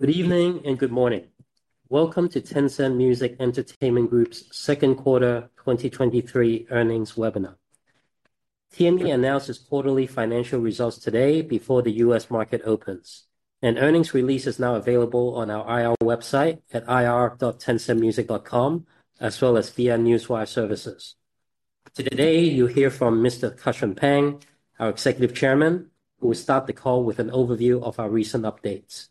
Good evening, and good morning. Welcome to Tencent Music Entertainment Group's second quarter 2023 earnings webinar. TME announced its quarterly financial results today before the U.S. market opens. Earnings release is now available on our IR website at ir.tencentmusic.com, as well as via Newswire services. Today, you'll hear from Mr. Cussion Pang, our Executive Chairman, who will start the call with an overview of our recent updates.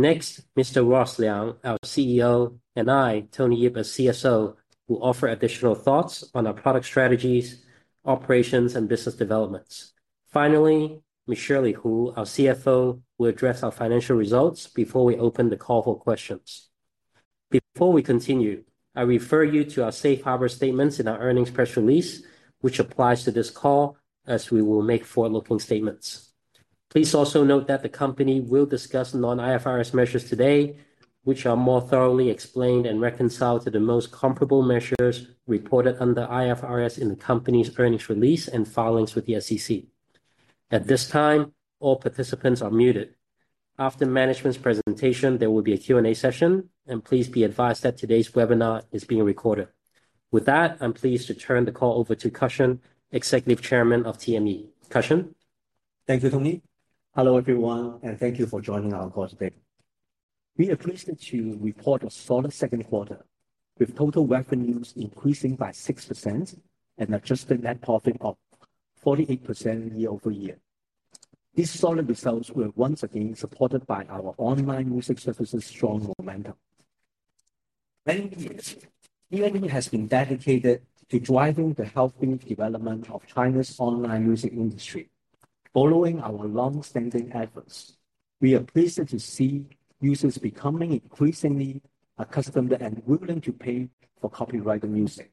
Next, Mr. Ross Liang, our CEO, and I, Tony Yip, as CSO, will offer additional thoughts on our product strategies, operations, and business developments. Finally, Miss Shirley Hu, our CFO, will address our financial results before we open the call for questions. Before we continue, I refer you to our safe harbor statements in our earnings press release, which applies to this call, as we will make forward-looking statements. Please also note that the company will discuss non-IFRS measures today, which are more thoroughly explained and reconciled to the most comparable measures reported under IFRS in the company's earnings release and filings with the SEC. At this time, all participants are muted. After management's presentation, there will be a Q&A session, and please be advised that today's webinar is being recorded. With that, I'm pleased to turn the call over to Cussion, Executive Chairman of TME. Cussion? Thank you, Tony. Hello, everyone, thank you for joining our call today. We are pleased to report a solid second quarter, with total revenues increasing by 6% and adjusted net profit of 48% year-over-year. These solid results were once again supported by our online music services' strong momentum. Many years, TME has been dedicated to driving the healthy development of China's online music industry. Following our long-standing efforts, we are pleased to see users becoming increasingly accustomed and willing to pay for copyrighted music,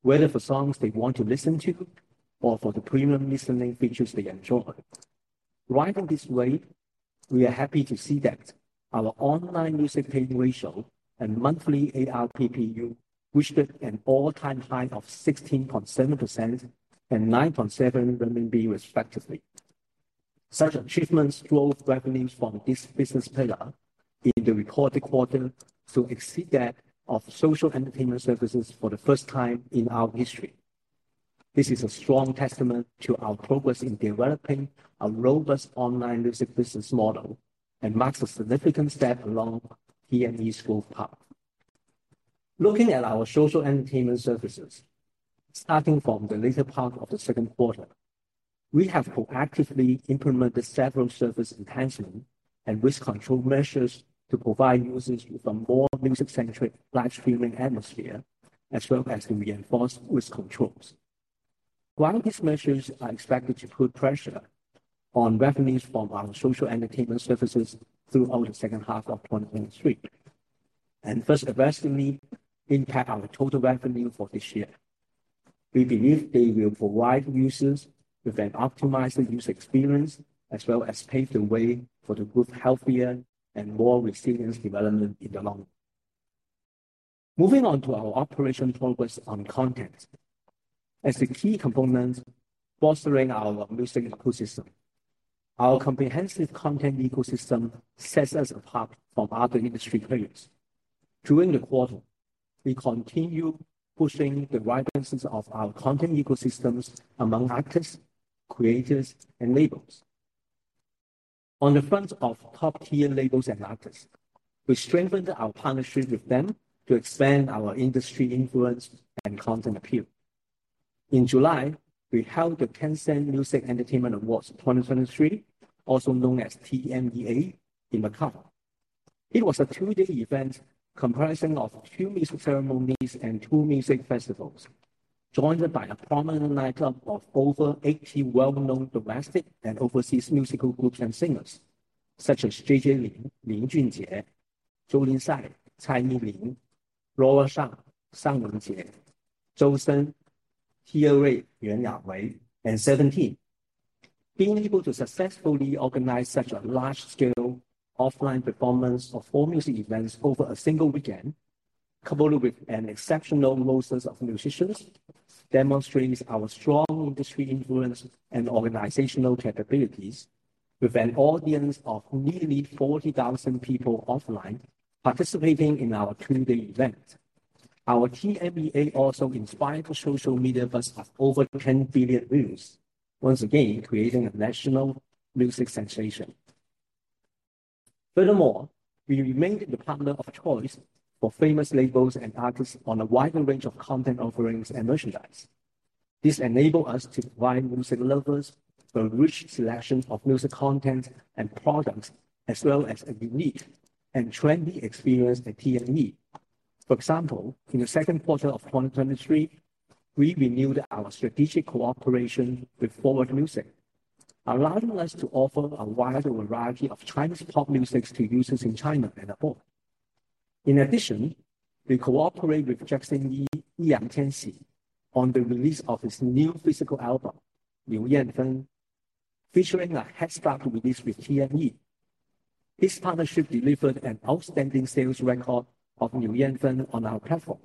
whether for songs they want to listen to or for the premium listening features they enjoy. Riding this wave, we are happy to see that our online music paying ratio and monthly ARPU reached an all-time high of 16.7% and 9.7, respectively. Such achievements drove revenues from this business pillar in the recorded quarter to exceed that of social entertainment services for the first time in our history. This is a strong testament to our progress in developing a robust online music business model and marks a significant step along TME's growth path. Looking at our social entertainment services, starting from the later part of the second quarter, we have proactively implemented several service enhancement and risk control measures to provide users with a more music-centric live streaming atmosphere, as well as to reinforce risk controls. While these measures are expected to put pressure on revenues from our social entertainment services throughout the second half of 2023, and thus adversely impact our total revenue for this year, we believe they will provide users with an optimized user experience, as well as pave the way for the group healthier and more resilient development in the long run. Moving on to our operation progress on content. As a key component, fostering our music ecosystem, our comprehensive content ecosystem sets us apart from other industry players. During the quarter, we continue pushing the wide senses of our content ecosystems among artists, creators, and labels. On the front of top-tier labels and artists, we strengthened our partnership with them to expand our industry influence and content appeal. In July, we held the Tencent Music Entertainment Awards 2023, also known as TMEA, in Macau. It was a two-day event comprising of two music ceremonies and two music festivals, joined by a prominent lineup of over 80 well-known domestic and overseas musical groups and singers, such as JJ Lin, Lin Junjie, Jolin Tsai, Cai Yilin, Laure Shang, Shang Wenjie, Zhou Shen, Tia Ray, Yuan Yawei, and Seventeen. Being able to successfully organize such a large-scale offline performance of four music events over a single weekend, coupled with an exceptional lineup of musicians, demonstrates our strong industry influence and organizational capabilities with an audience of nearly 40,000 people offline participating in our two-day event. Our TMEA also inspired a social media buzz of over 10 billion views, once again, creating a national music sensation. Furthermore, we remained the partner of choice for famous labels and artists on a wider range of content offerings and merchandise. This enable us to provide music lovers a rich selection of music content and products, as well as a unique and trendy experience at TME. For example, in the second quarter of 2023, we renewed our strategic cooperation with Forward Music, allowing us to offer a wider variety of Chinese pop music to users in China and abroad. In addition, we cooperate with Jackson Yee, Yi Yangqianxi, on the release of his new physical album, Liu Yanfen, featuring a headstart release with TME. This partnership delivered an outstanding sales record of Liu Yanfen on our platform....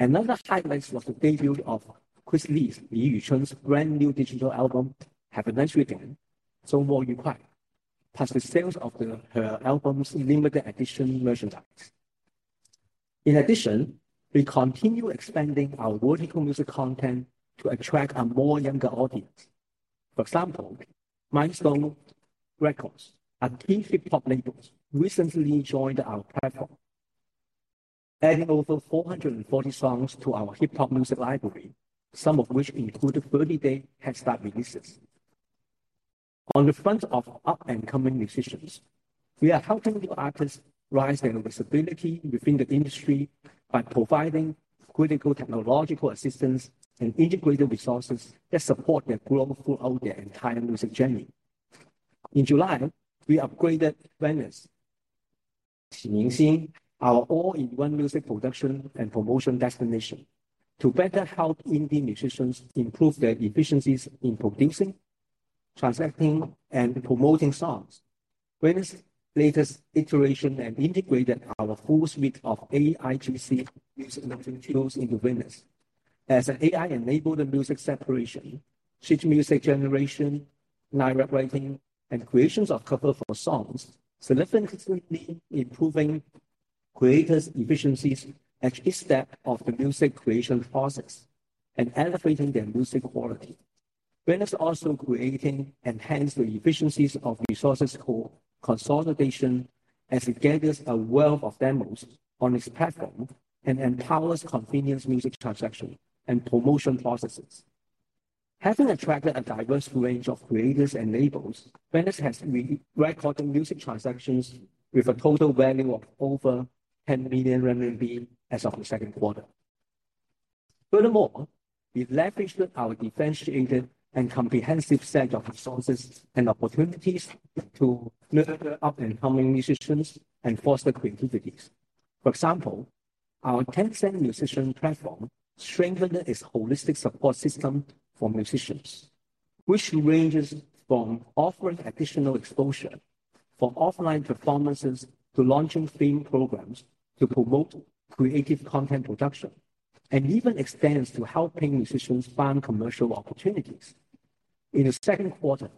Another highlight was the debut of Chris Lee's, Li Yuchun's brand new digital album, Have a Nice Weekend, Zhou Mo Yu Kuai, plus the sales of her album's limited edition merchandise. In addition, we continue expanding our vertical music content to attract a more younger audience. For example, Mintone Records, a key hip-hop label, recently joined our platform, adding over 440 songs to our hip-hop music library, some of which included 30-day headstart releases. On the front of up-and-coming musicians, we are helping new artists rise their visibility within the industry by providing critical technological assistance and integrated resources that support their growth throughout their entire music journey. In July, we upgraded Venus, our all-in-one music production and promotion destination, to better help indie musicians improve their efficiencies in producing, transacting, and promoting songs. Venus latest iteration have integrated our full suite of AIGC music tools into Venus. As an AI-enabled music separation, sheet music generation, lyric writing, and creations of cover for songs, significantly improving creators' efficiencies at each step of the music creation process and elevating their music quality. Venus is also creating enhanced efficiencies of resources for consolidation as it gathers a wealth of demos on its platform and empowers convenient music transaction and promotion processes. Having attracted a diverse range of creators and labels, Venus has re-recorded music transactions with a total value of over 10 million renminbi as of the second quarter. Furthermore, we leveraged our differentiated and comprehensive set of resources and opportunities to nurture up-and-coming musicians and foster creativities. For example, our Tencent Musician Platform strengthened its holistic support system for musicians, which ranges from offering additional exposure for offline performances, to launching theme programs to promote creative content production, and even extends to helping musicians find commercial opportunities. In the second quarter,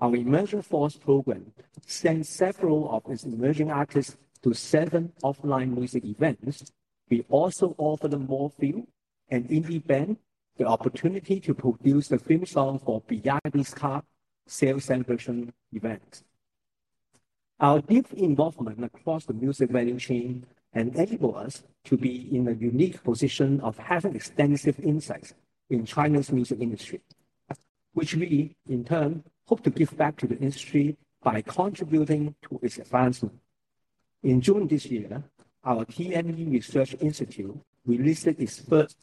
our Emerging Force program sent several of its emerging artists to seven offline music events. We also offered more theme and indie band the opportunity to produce a theme song for BYD Car sales celebration event. Our deep involvement across the music value chain enable us to be in a unique position of having extensive insights in China's music industry, which we, in turn, hope to give back to the industry by contributing to its advancement. In June this year, our TME Research Institute released its first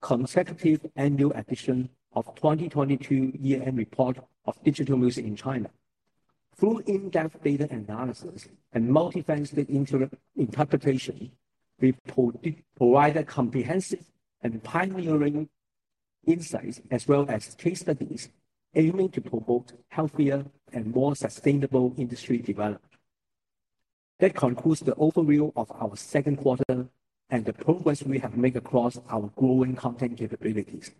consecutive annual edition of 2022 Year-End Report of Digital Music in China. Through in-depth data analysis and multifaceted interpretation, we provided comprehensive and pioneering insights, as well as case studies, aiming to promote healthier and more sustainable industry development. That concludes the overview of our second quarter and the progress we have made across our growing content capabilities.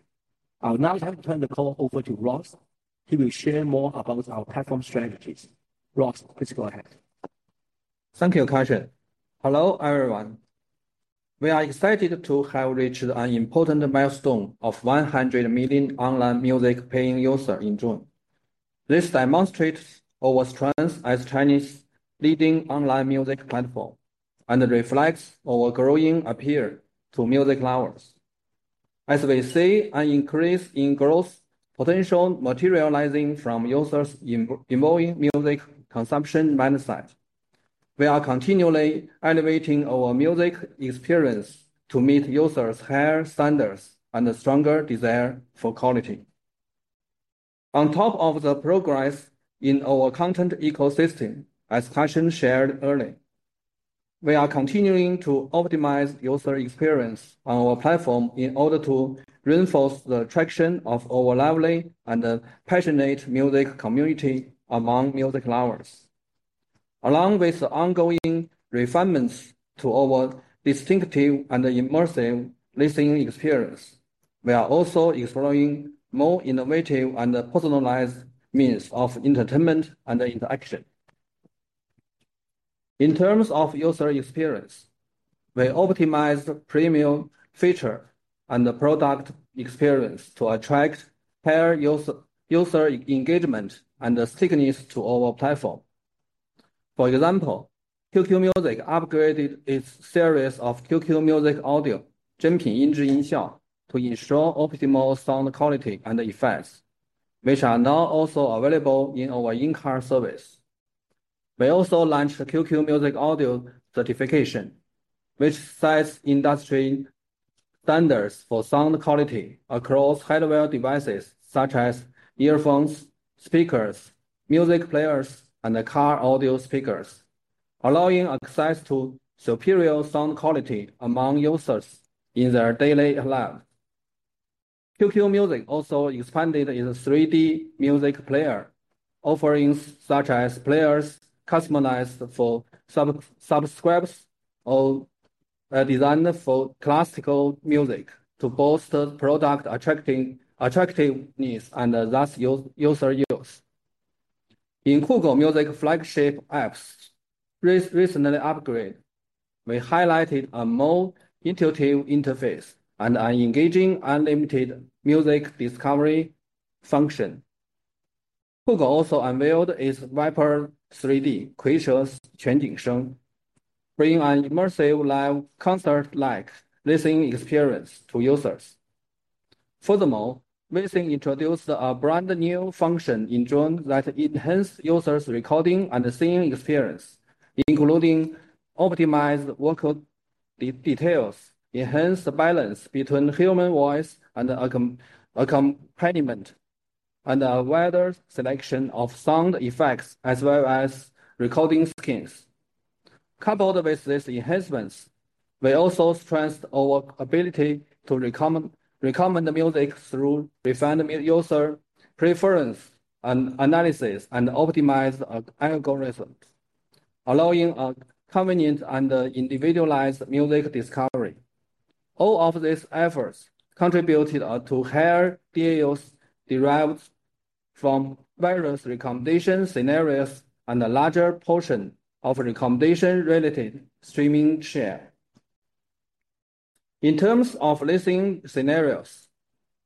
I'll now turn the call over to Ross, who will share more about our platform strategies. Ross, please go ahead. Thank you, Cussion. Hello, everyone. We are excited to have reached an important milestone of 100 million online music paying users in June. This demonstrates our strength as Chinese leading online music platform, and it reflects our growing appeal to music lovers. As we see an increase in growth potential materializing from users' evolving music consumption mindset, we are continually elevating our music experience to meet users' higher standards and a stronger desire for quality. On top of the progress in our content ecosystem, as Cussion shared earlier, we are continuing to optimize user experience on our platform in order to reinforce the attraction of our lively and passionate music community among music lovers. Along with the ongoing refinements to our distinctive and immersive listening experience, we are also exploring more innovative and personalized means of entertainment and interaction. In terms of user experience, we optimized premium feature and the product experience to attract higher user engagement and stickiness to our platform. For example, QQ Music upgraded its series of QQ Music Audio, Zhenpin Yinzhi Yinxiao, to ensure optimal sound quality and effects, which are now also available in our in-car service. We also launched the QQ Music Audio Certification, which sets industry standards for sound quality across hardware devices such as earphones, speakers, music players, and car audio speakers, allowing access to superior sound quality among users in their daily lives. QQ Music also expanded in a 3D music player, offerings such as players customized for subscribers or designed for classical music to boost the product attractiveness and thus user use. In QQ Music flagship apps recently upgraded, we highlighted a more intuitive interface and an engaging, unlimited music discovery function. QQ also unveiled its ViPER 3D, 奇趣全景声, bringing an immersive live concert-like listening experience to users. Furthermore, Weixin introduced a brand-new function in June that enhanced users' recording and singing experience, including optimized vocal details, enhanced balance between human voice and accompaniment, and a wider selection of sound effects, as well as recording skins. Coupled with these enhancements, we also strengthened our ability to recommend the music through refined user preference and analysis, and optimized our algorithms, allowing a convenient and individualized music discovery. All of these efforts contributed to higher DAUs derived from various recommendation scenarios and a larger portion of recommendation-related streaming share. In terms of listening scenarios,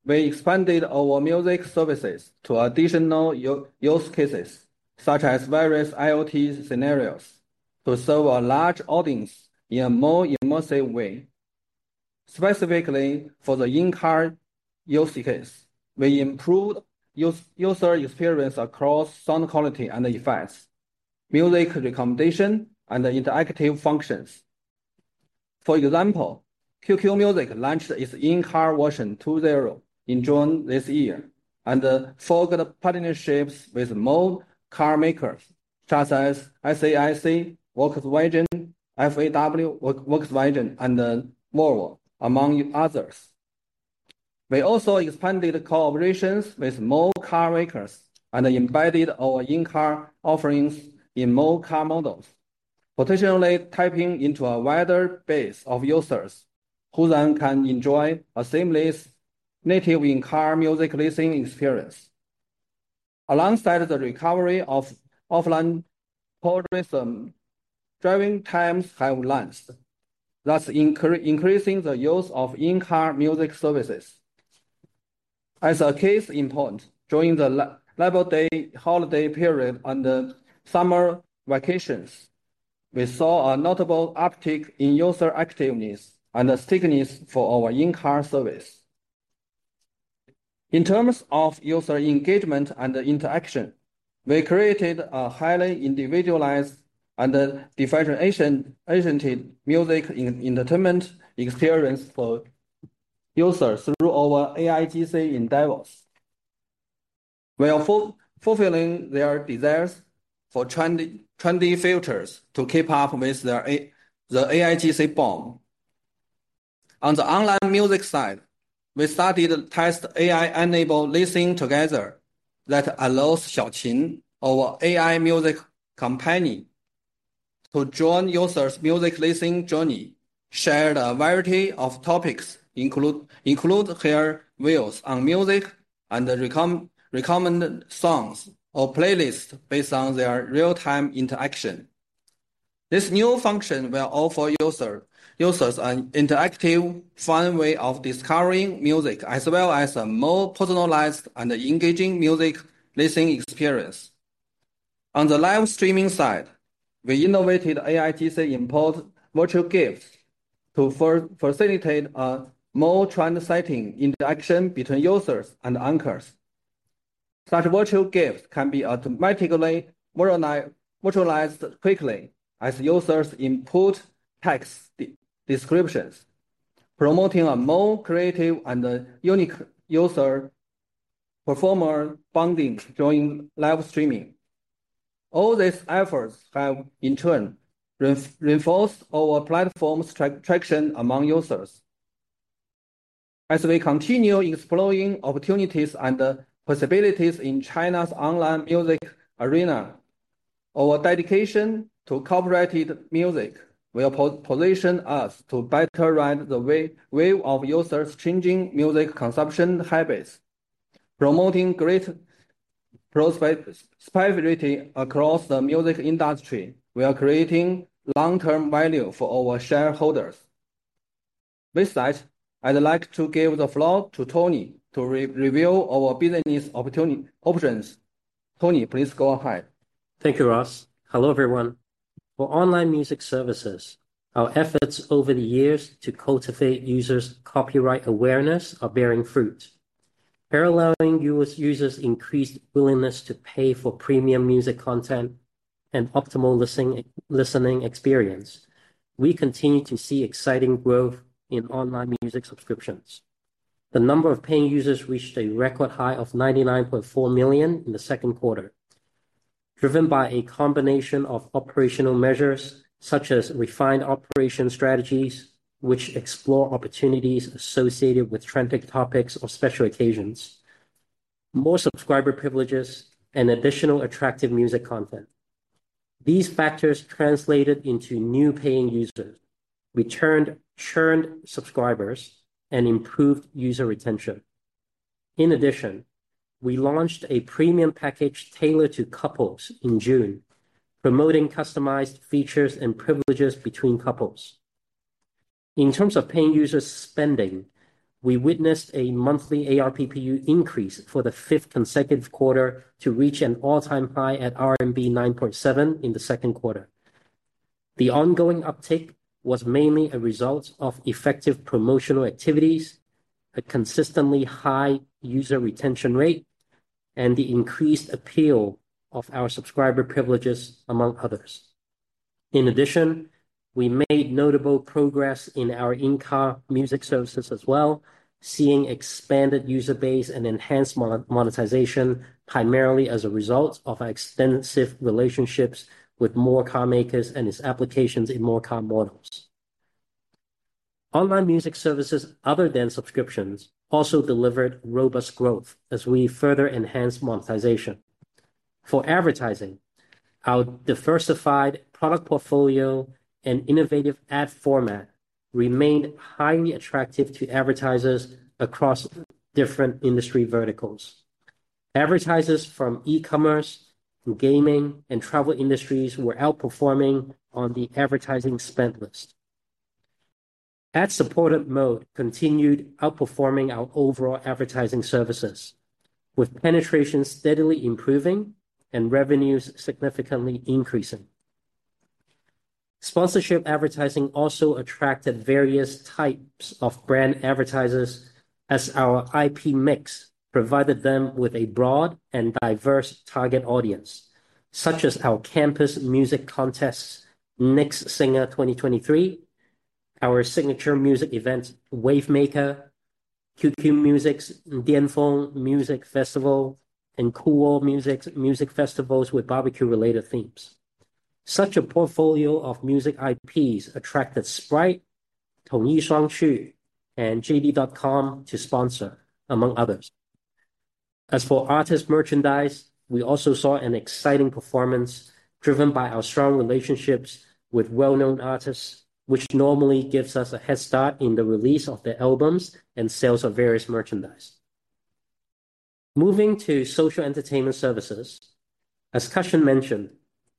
we expanded our music services to additional use cases, such as various IoT scenarios, to serve a large audience in a more immersive way. Specifically, for the in-car use case, we improved user experience across sound quality and effects, music recommendation, and interactive functions. For example, QQ Music launched its in-car version 20 in June this year, and forged partnerships with more car makers, such as SAIC, Volkswagen, FAW, Volkswagen, and Volvo, among others. We also expanded collaborations with more carmakers and embedded our in-car offerings in more car models, potentially tapping into a wider base of users, who then can enjoy a seamless native in-car music listening experience. Alongside the recovery of offline progress, driving times have length, thus increasing the use of in-car music services. As a case in point, during the Labor Day holiday period and the summer vacations, we saw a notable uptick in user activities and stickiness for our in-car service. In terms of user engagement and interaction, we created a highly individualized and differentiated music entertainment experience for users through our AIGC endeavors, while fulfilling their desires for trendy, trendy features to keep up with the AIGC boom. On the online music side, we started to test AI-enabled listening together that allows Xiaoqin, our AI music companion, to join users' music listening journey, share a variety of topics, include their views on music, and recommend songs or playlists based on their real-time interaction. This new function will offer users an interactive, fun way of discovering music, as well as a more personalized and engaging music listening experience. On the live streaming side, we innovated AIGC-enabled virtual gifts to facilitate a more trend-setting interaction between users and anchors. Such virtual gifts can be automatically visualized quickly as users input text descriptions, promoting a more creative and a unique user-performer bonding during live streaming. All these efforts have in turn reinforced our platform's traction among users. As we continue exploring opportunities and possibilities in China's online music arena, our dedication to copyrighted music will position us to better ride the wave of users' changing music consumption habits, promoting great prosperity across the music industry, while creating long-term value for our shareholders. With that, I'd like to give the floor to Tony to review our business options. Tony, please go ahead. Thank you, Ross. Hello, everyone. For online music services, our efforts over the years to cultivate users' copyright awareness are bearing fruit. Paralleling U.S. users increased willingness to pay for premium music content and optimal listening, listening experience, we continue to see exciting growth in online music subscriptions. The number of paying users reached a record high of 99.4 million in the second quarter. driven by a combination of operational measures, such as refined operation strategies, which explore opportunities associated with trending topics or special occasions, more subscriber privileges, and additional attractive music content. These factors translated into new paying users, returned churned subscribers, and improved user retention. In addition, we launched a premium package tailored to couples in June, promoting customized features and privileges between couples. In terms of paying user spending, we witnessed a monthly ARPPU increase for the fifth consecutive quarter to reach an all-time high at RMB 9.7 in the second quarter. The ongoing uptake was mainly a result of effective promotional activities, a consistently high user retention rate, and the increased appeal of our subscriber privileges, among others. In addition, we made notable progress in our in-car music services as well, seeing expanded user base and enhanced monetization, primarily as a result of our extensive relationships with more car makers and its applications in more car models. Online music services other than subscriptions also delivered robust growth as we further enhanced monetization. For advertising, our diversified product portfolio and innovative ad format remained highly attractive to advertisers across different industry verticals. Advertisers from e-commerce to gaming and travel industries were outperforming on the advertising spend list. Ad-supported mode continued outperforming our overall advertising services, with penetration steadily improving and revenues significantly increasing. Sponsorship advertising also attracted various types of brand advertisers as our IP mix provided them with a broad and diverse target audience, such as our campus music contests, Next Singer 2023, our signature music event, Wavemaker, QQ Music's Dianfeng Music Festival, and Kuwo Music's music festivals with barbecue-related themes. Such a portfolio of music IPs attracted Sprite, Tongyi Shuangcui, and JD.com to sponsor, among others. As for artist merchandise, we also saw an exciting performance driven by our strong relationships with well-known artists, which normally gives us a head start in the release of their albums and sales of various merchandise. Moving to social entertainment services, as Cussion mentioned,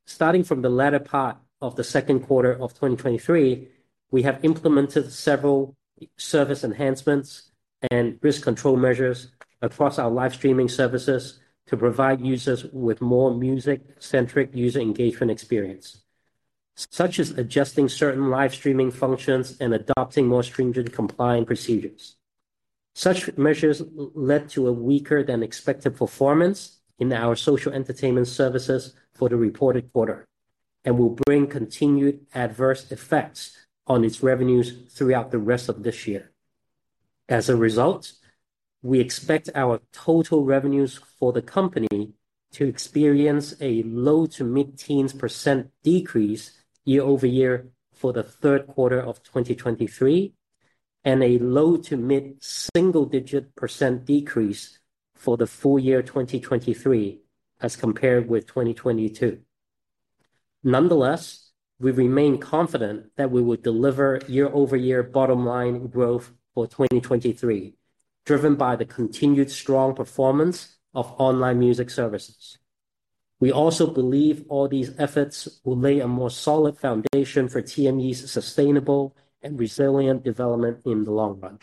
starting from the latter part of the second quarter of 2023, we have implemented several service enhancements and risk control measures across our live streaming services to provide users with more music-centric user engagement experience, such as adjusting certain live streaming functions and adopting more stringent compliant procedures. Such measures led to a weaker-than-expected performance in our social entertainment services for the reported quarter and will bring continued adverse effects on its revenues throughout the rest of this year. As a result, we expect our total revenues for the company to experience a low- to mid-teens percent decrease year-over-year for the Q3 of 2023, and a low- to mid-single-digit percent decrease for the full year 2023, as compared with 2022. Nonetheless, we remain confident that we will deliver year-over-year bottom line growth for 2023, driven by the continued strong performance of online music services. We also believe all these efforts will lay a more solid foundation for TME's sustainable and resilient development in the long run.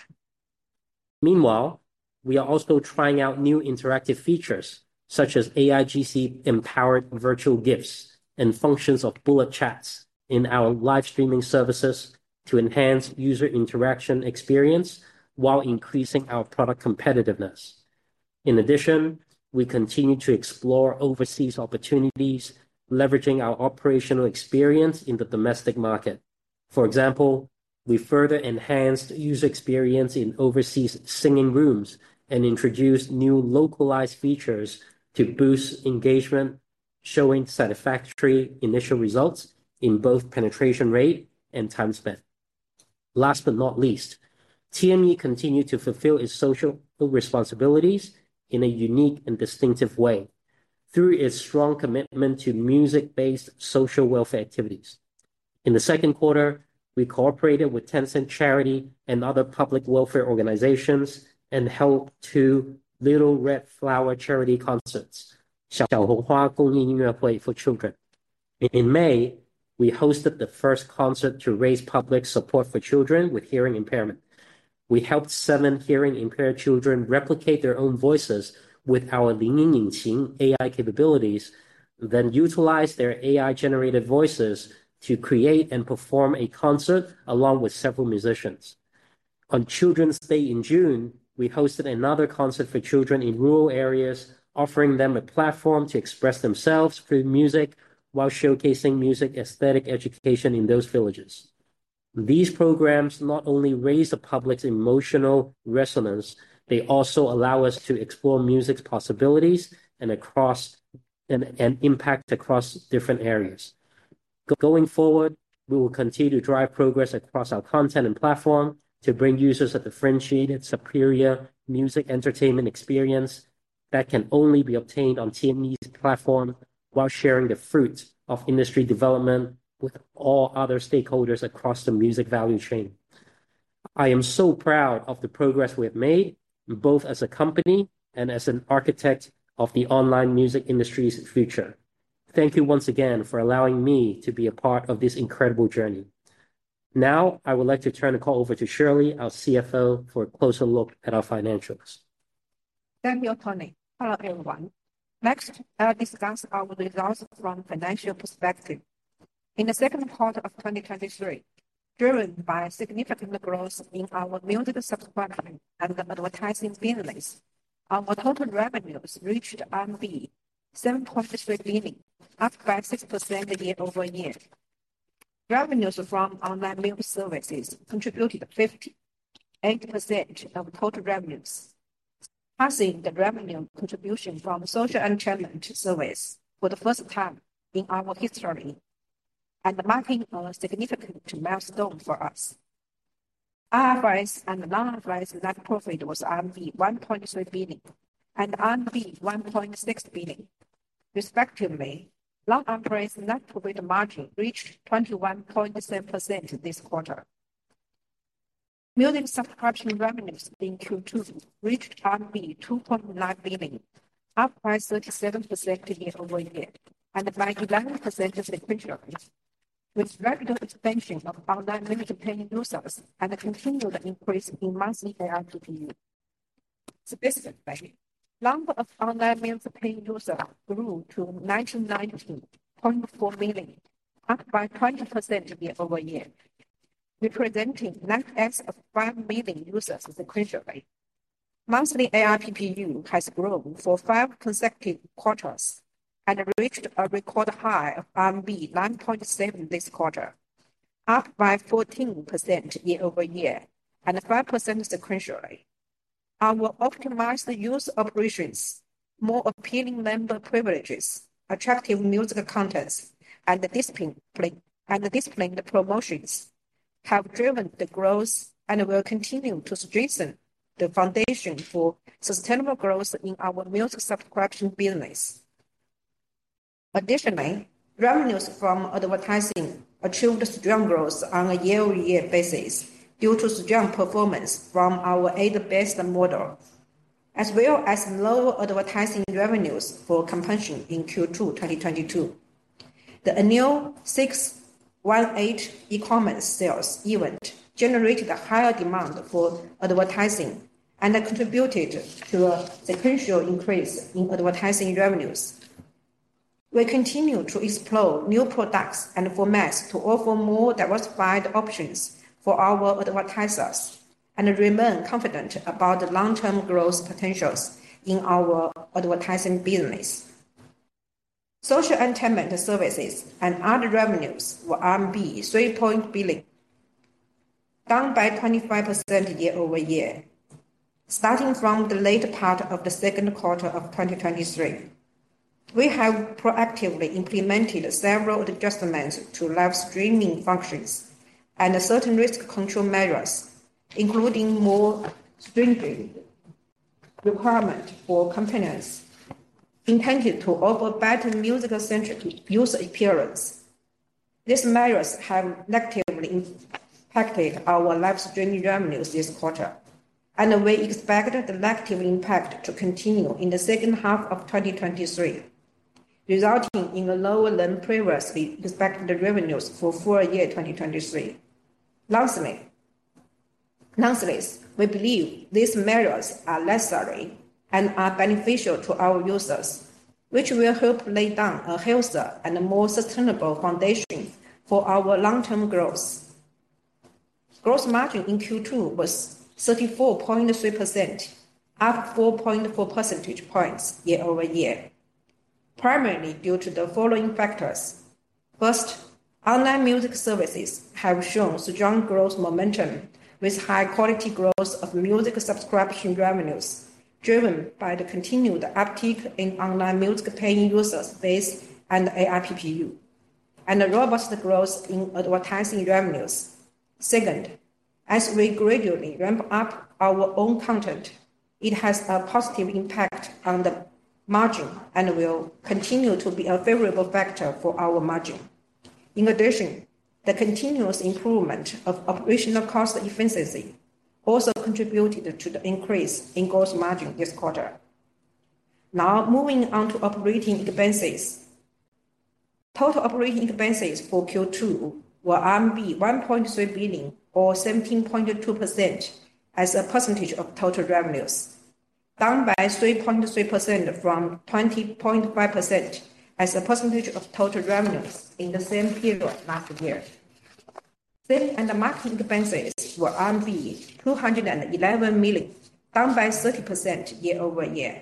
Meanwhile, we are also trying out new interactive features, such as AIGC-empowered virtual gifts and functions of bullet chats in our live streaming services to enhance user interaction experience while increasing our product competitiveness. In addition, we continue to explore overseas opportunities, leveraging our operational experience in the domestic market. For example, we further enhanced user experience in overseas singing rooms and introduced new localized features to boost engagement, showing satisfactory initial results in both penetration rate and time spent. Last but not least, TME continued to fulfill its social responsibilities in a unique and distinctive way through its strong commitment to music-based social welfare activities. In the second quarter, we cooperated with Tencent Charity and other public welfare organizations and held two Little Red Flower charity concerts, Xiao Hong Hua Gongyi Yinyuehui for Children. In May, we hosted the first concert to raise public support for children with hearing impairment. We helped seven hearing-impaired children replicate their own voices with our Lingyin Engine AI capabilities, then utilized their AI-generated voices to create and perform a concert along with several musicians. On Children's Day in June, we hosted another concert for children in rural areas, offering them a platform to express themselves through music while showcasing music aesthetic education in those villages. These programs not only raise the public's emotional resonance, they also allow us to explore music's possibilities and impact across different areas. Going forward, we will continue to drive progress across our content and platform to bring users a differentiated, superior music entertainment experience that can only be obtained on TME's platform, while sharing the fruits of industry development with all other stakeholders across the music value chain. I am so proud of the progress we have made, both as a company and as an architect of the online music industry's future. Thank you once again for allowing me to be a part of this incredible journey. Now, I would like to turn the call over to Shirley, our CFO, for a closer look at our financials. Thank you, Tony. Hello, everyone. Next, I'll discuss our results from financial perspective. In the second quarter of 2023, driven by significant growth in our music subscription and advertising business, our total revenues reached RMB 7.3 billion, up by 6% year-over-year. Revenues from online music services contributed 58% of total revenues, passing the revenue contribution from social entertainment service for the first time in our history, and marking a significant milestone for us. Our non-GAAP net profit was RMB 1.3 billion and RMB 1.6 billion, respectively. Non-GAAP net profit margin reached 21.7% this quarter. Music subscription revenues in Q2 reached 2.9 billion, up by 37% year-over-year, and by 11% sequentially, with rapid expansion of online music paying users and a continued increase in monthly ARPU. Specifically, number of online music paying users grew to 19.4 million, up by 20% year-over-year, representing net adds of five million users sequentially. Monthly ARPU has grown for five consecutive quarters and reached a record high of RMB 9.7 this quarter, up by 14% year-over-year and 5% sequentially. Our optimized user operations, more appealing member privileges, attractive music contents, and disciplined promotions have driven the growth and will continue to strengthen the foundation for sustainable growth in our music subscription business. Revenues from advertising achieved strong growth on a year-over-year basis due to strong performance from our ad-based model, as well as lower advertising revenues for comparison in Q2 2022. The annual 618 e-commerce sales event generated a higher demand for advertising and contributed to a sequential increase in advertising revenues. We continue to explore new products and formats to offer more diversified options for our advertisers and remain confident about the long-term growth potentials in our advertising business. Social entertainment services and other revenues were 3 billion, down by 25% year-over-year. Starting from the later part of the second quarter of 2023, we have proactively implemented several adjustments to live streaming functions and certain risk control measures, including more stringent requirement for companies intended to offer better music-centric user experience. These measures have negatively impacted our live streaming revenues this quarter, and we expect the negative impact to continue in the second half of 2023, resulting in a lower than previously expected revenues for full year 2023. Lastly, nonetheless, we believe these measures are necessary and are beneficial to our users, which will help lay down a healthier and more sustainable foundation for our long-term growth. Gross margin in Q2 was 34.3%, up 4.4 percentage points year-over-year, primarily due to the following factors. First, online music services have shown strong growth momentum, with high quality growth of music subscription revenues, driven by the continued uptick in online music paying user base and ARPU, and a robust growth in advertising revenues. Second, as we gradually ramp up our own content, it has a positive impact on the margin and will continue to be a favorable factor for our margin. In addition, the continuous improvement of operational cost efficiency also contributed to the increase in gross margin this quarter. Now, moving on to operating expenses. Total operating expenses for Q2 were RMB 1.3 billion, or 17.2% as a percentage of total revenues, down by 3.3% from 20.5% as a percentage of total revenues in the same period last year. Sales and marketing expenses were 211 million, down by 30% year-over-year,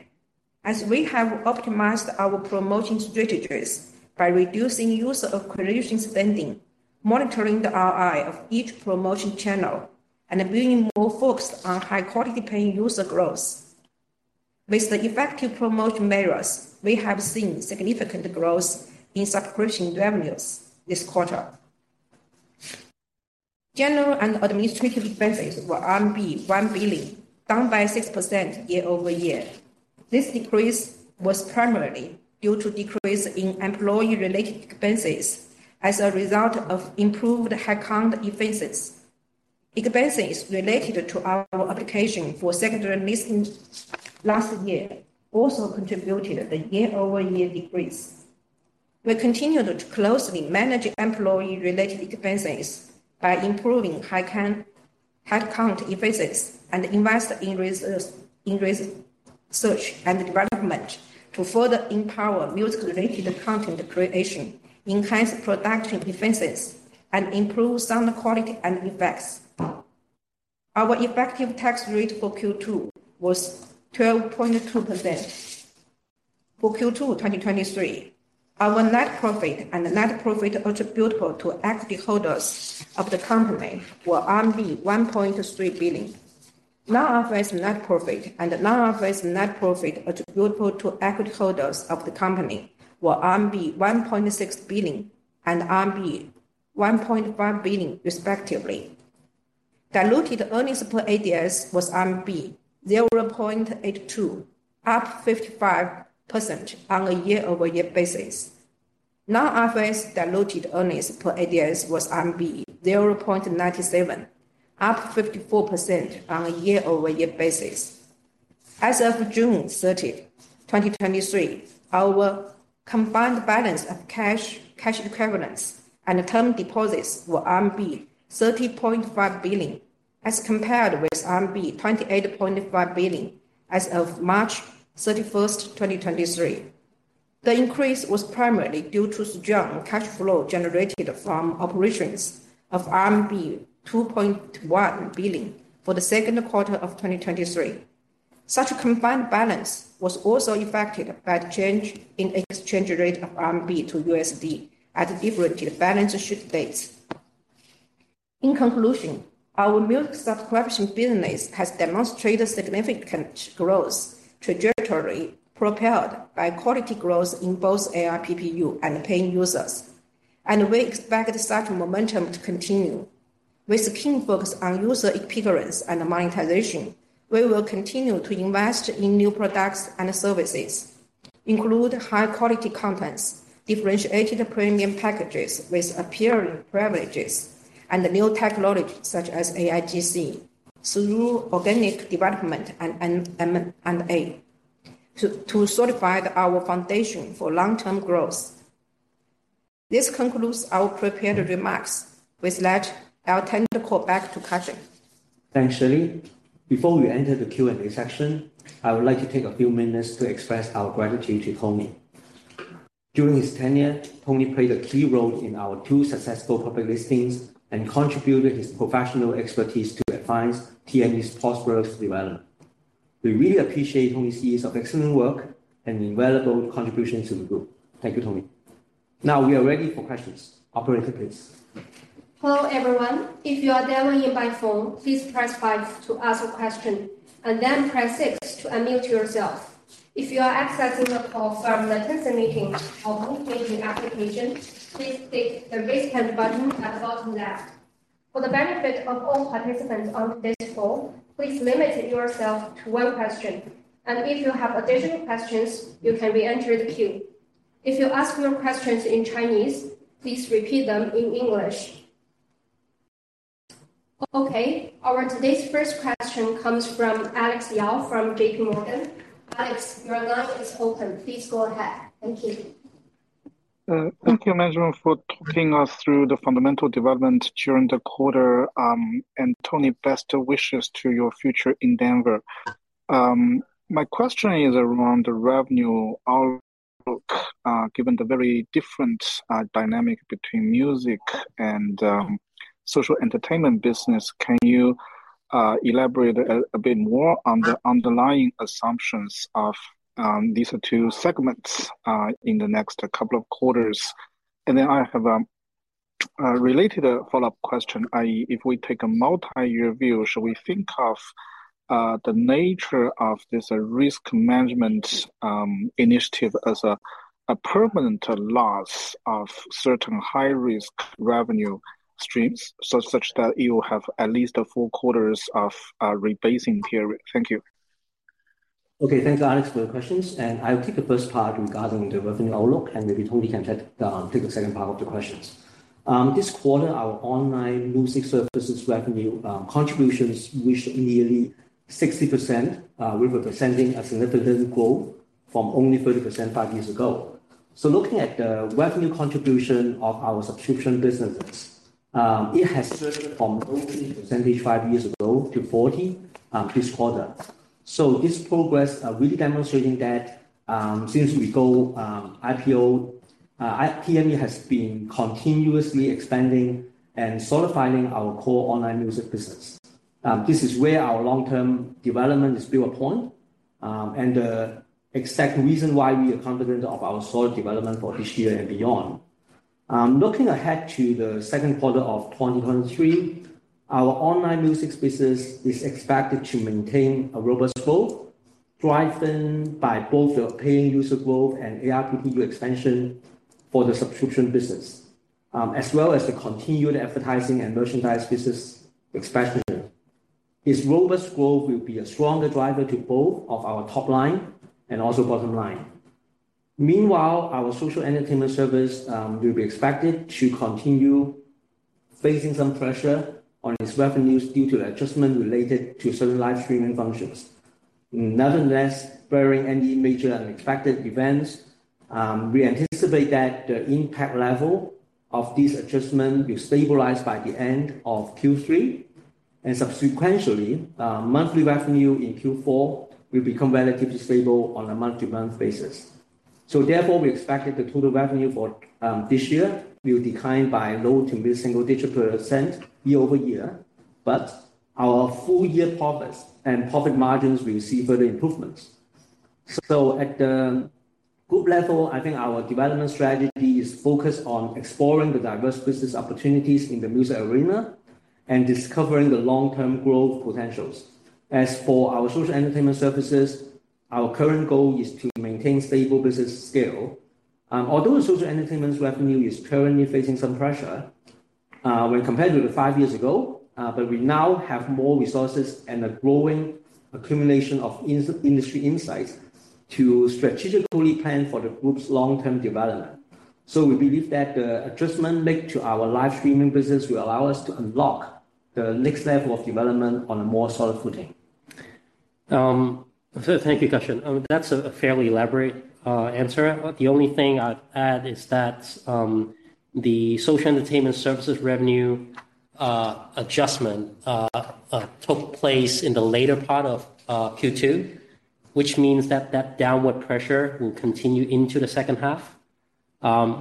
as we have optimized our promotion strategies by reducing user acquisition spending, monitoring the ROI of each promotion channel, and being more focused on high-quality paying user growth. With the effective promotion measures, we have seen significant growth in subscription revenues this quarter. General and administrative expenses were RMB 1 billion, down by 6% year-over-year. This decrease was primarily due to decrease in employee-related expenses as a result of improved headcount expenses. Expenses related to our application for secondary listing last year also contributed to the year-over-year decrease. We continue to closely manage employee-related expenses by improving headcount, headcount expenses, and invest in research and development to further empower music-related content creation, enhance production expenses, and improve sound quality and effects. Our effective tax rate for Q2 was 12.2%. For Q2, 2023, our net profit and net profit attributable to equity holders of the company were 1.3 billion. Non-IFRS net profit and non-IFRS net profit attributable to equity holders of the company were RMB 1.6 billion and RMB 1.1 billion, respectively. Diluted earnings per ADS was RMB 0.82, up 55% on a year-over-year basis. Non-IFRS diluted earnings per ADS was 0.97, up 54% on a year-over-year basis. As of June 30, 2023, our combined balance of cash, cash equivalents, and term deposits were RMB 30.5 billion, as compared with RMB 28.5 billion as of March 31, 2023. The increase was primarily due to strong cash flow generated from operations of RMB 2.1 billion for the second quarter of 2023. Such a combined balance was also impacted by the change in exchange rate of RMB to USD at different balance sheet dates. In conclusion, our music subscription business has demonstrated significant growth trajectory, propelled by quality growth in both ARPPU and paying users, and we expect such momentum to continue. With keen focus on user experience and monetization, we will continue to invest in new products and services, include high-quality contents, differentiated premium packages with appealing privileges, and new technologies such as AIGC, through organic development and M&A, to solidify our foundation for long-term growth. This concludes our prepared remarks. With that, I'll turn the call back to Cussion. Thanks, Shelly. Before we enter the Q&A section, I would like to take a few minutes to express our gratitude to Tony. During his tenure, Tony played a key role in our two successful public listings and contributed his professional expertise to advance TME's prosperous development. We really appreciate Tony's years of excellent work and invaluable contribution to the group. Thank you, Tony. Now we are ready for questions. Operator, please. Hello, everyone. If you are dialing in by phone, please press five to ask a question, and then press six to unmute yourself. If you are accessing the call from the Tencent Meeting or Zoom Meeting application, please click the Raise Hand button at the bottom left. For the benefit of all participants on this call, please limit yourself to one question, and if you have additional questions, you can re-enter the queue. If you ask your questions in Chinese, please repeat them in English. Okay, our today's first question comes from Alex Yao from JPMorgan. Alex, your line is open. Please go ahead. Thank you. Thank you, management, for talking us through the fundamental development during the quarter. Tony, best wishes to your future endeavor. My question is around the revenue outlook. Given the very different dynamic between music and social entertainment business, can you elaborate a bit more on the underlying assumptions of these two segments in the next couple of quarters? I have a related follow-up question, i.e., if we take a multi-year view, should we think of the nature of this risk management initiative as a permanent loss of certain high-risk revenue streams, so such that you have at least full quarters of rebasing period? Thank you. Okay, thanks, Alex, for the questions, and I'll take the first part regarding the revenue outlook, and maybe Tony can take the second part of the questions. This quarter, our online music services revenue contributions reached nearly 60%, representing a significant growth from only 30% five years ago. Looking at the revenue contribution of our subscription businesses, it has grown from only 30% five years ago to 40% this quarter. This progress are really demonstrating that, since we go IPO, TME has been continuously expanding and solidifying our core online music business. This is where our long-term development is built upon, and the exact reason why we are confident of our solid development for this year and beyond. Looking ahead to the second quarter of 2023, our online music business is expected to maintain a robust growth, driven by both the paying user growth and ARPU expansion for the subscription business, as well as the continued advertising and merchandise business expansion. This robust growth will be a stronger driver to both of our top line and also bottom line. Meanwhile, our social entertainment service will be expected to continue facing some pressure on its revenues due to adjustment related to certain live streaming functions. Nonetheless, barring any major unexpected events, we anticipate that the impact level of this adjustment will stabilize by the end of Q3, and subsequently, monthly revenue in Q4 will become relatively stable on a month-to-month basis. Therefore, we expect that the total revenue for this year will decline by low to mid-single digit percent year-over-year, but our full year profits and profit margins will see further improvements. At the group level, I think our development strategy is focused on exploring the diverse business opportunities in the music arena and discovering the long-term growth potentials. As for our social entertainment services, our current goal is to maintain stable business scale. Although social entertainment revenue is currently facing some pressure, when compared to the five years ago, but we now have more resources and a growing accumulation of industry insights to strategically plan for the group's long-term development. We believe that the adjustment made to our live streaming business will allow us to unlock the next level of development on a more solid footing. Thank you, Cussion. That's a fairly elaborate answer. The only thing I'd add is that the social entertainment services revenue adjustment took place in the later part of Q2, which means that that downward pressure will continue into the second half,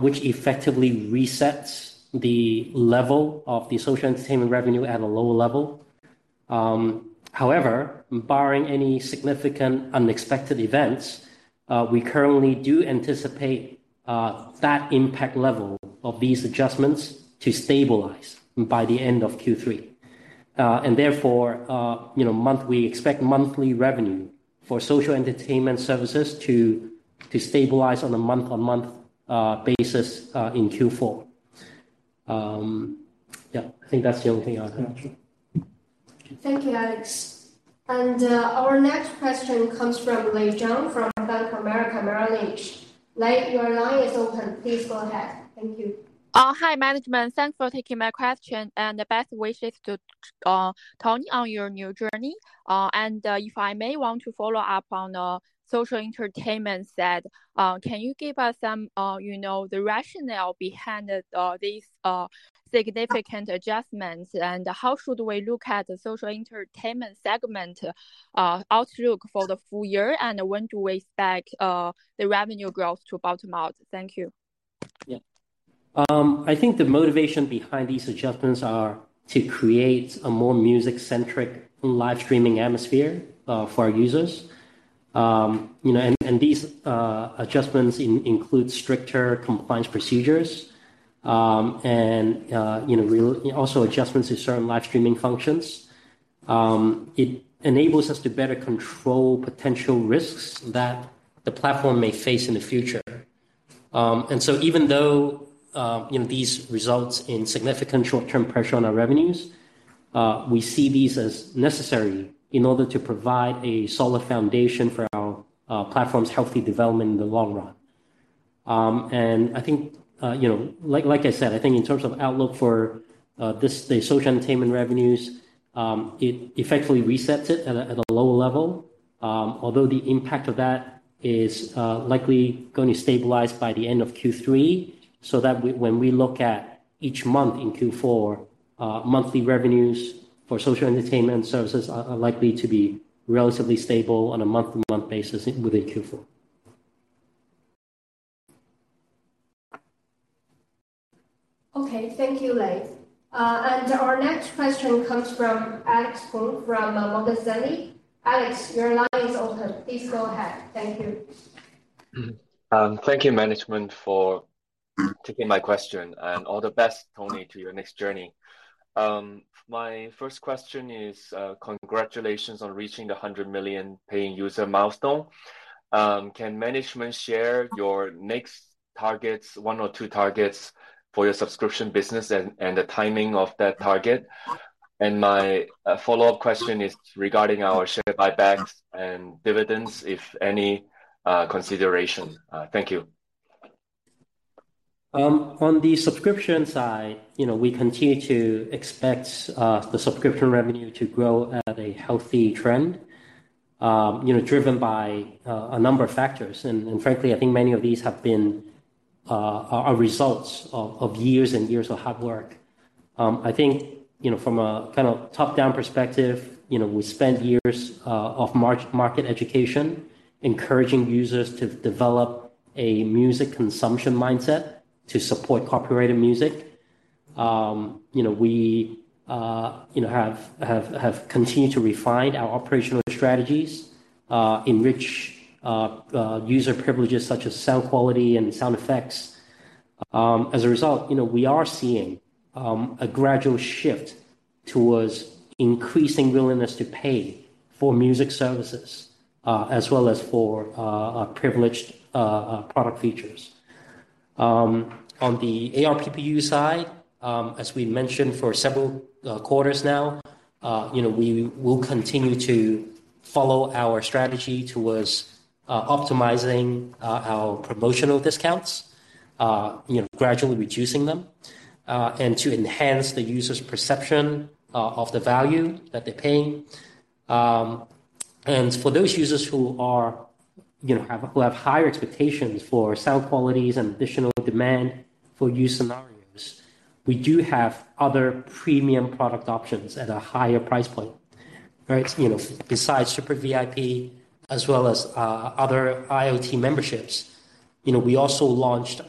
which effectively resets the level of the social entertainment revenue at a lower level. However, barring any significant unexpected events, we currently do anticipate that impact level of these adjustments to stabilize by the end of Q3. Therefore, you know, we expect monthly revenue for social entertainment services to stabilize on a month-on-month basis in Q4. Yeah, I think that's the only thing I'll add. Thank you, Alex. Our next question comes from Lei Zhang from Bank of America Merrill Lynch. Lei, your line is open. Please go ahead. Thank you. Hi, management. Thanks for taking my question, and best wishes to Tony, on your new journey. If I may want to follow up on social entertainment set, can you give us some, you know, the rationale behind these significant adjustments? How should we look at the social entertainment segment outlook for the full year, and when do we expect the revenue growth to bottom out? Thank you. Yeah. I think the motivation behind these adjustments are to create a more music-centric live streaming atmosphere for our users. You know, and these adjustments include stricter compliance procedures, and, you know, also adjustments to certain live streaming functions. It enables us to better control potential risks that the platform may face in the future. Even though, you know, these results in significant short-term pressure on our revenues, we see these as necessary in order to provide a solid foundation for our platform's healthy development in the long run. I think, you know, like, like I said, I think in terms of outlook for this, the social entertainment revenues, it effectively resets it at a lower level, although the impact of that is likely going to stabilize by the end of Q3, so that when we look at each month in Q4, monthly revenues for social entertainment services are likely to be relatively stable on a month-to-month basis within Q4. Okay. Thank you, Lei. Our next question comes from Alex Poon from Morgan Stanley. Alex, your line is open. Please go ahead. Thank you. Thank you, management, for taking my question. All the best, Tony, to your next journey. My first question is, congratulations on reaching the 100 million paying user milestone. Can management share your next targets, one or two targets, for your subscription business and the timing of that target? My follow-up question is regarding our share buybacks and dividends, if any, consideration. Thank you. On the subscription side, you know, we continue to expect the subscription revenue to grow at a healthy trend, you know, driven by a number of factors. Frankly, I think many of these have been results of years and years of hard work. I think, you know, kind of top down perspective, you know, we spend years of march market education, encouraging users to develop a music consumption mindset to support copyrighted music. You know, we have continued to refine our operational strategies, enrich user privileges such as sound quality and sound effects. As a result, you know, we are seeing a gradual shift towards increasing willingness to pay for music services, as well as for privileged product features. On the ARPPU side, as we mentioned for several quarters now, you know, we will continue to follow our strategy towards optimizing our promotional discounts. You know, gradually reducing them, and to enhance the user's perception of the value that they paying. And for those users who are, you know, who have higher expectations for sound qualities and additional demand for use scenarios, we do have other premium product options at a higher price point. Right? You know, besides Super VIP as well as other IoT memberships, you know, we also launched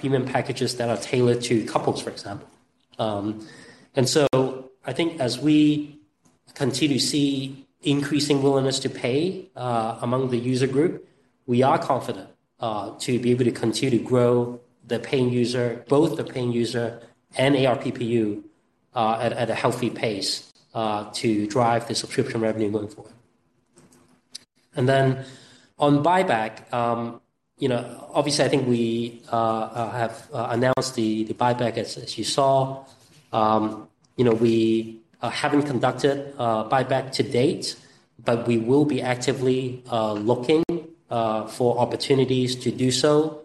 premium packages that are tailored to couples, for example. So I think as we continue to see increasing willingness to pay among the user group, we are confident to be able to continue to grow the paying user, both the paying user and ARPPU, at a healthy pace to drive the subscription revenue going forward. Then on buyback, you know, obviously I think we have announced the buyback as you saw. You know, we haven't conducted a buyback to date, but we will be actively looking for opportunities to do so.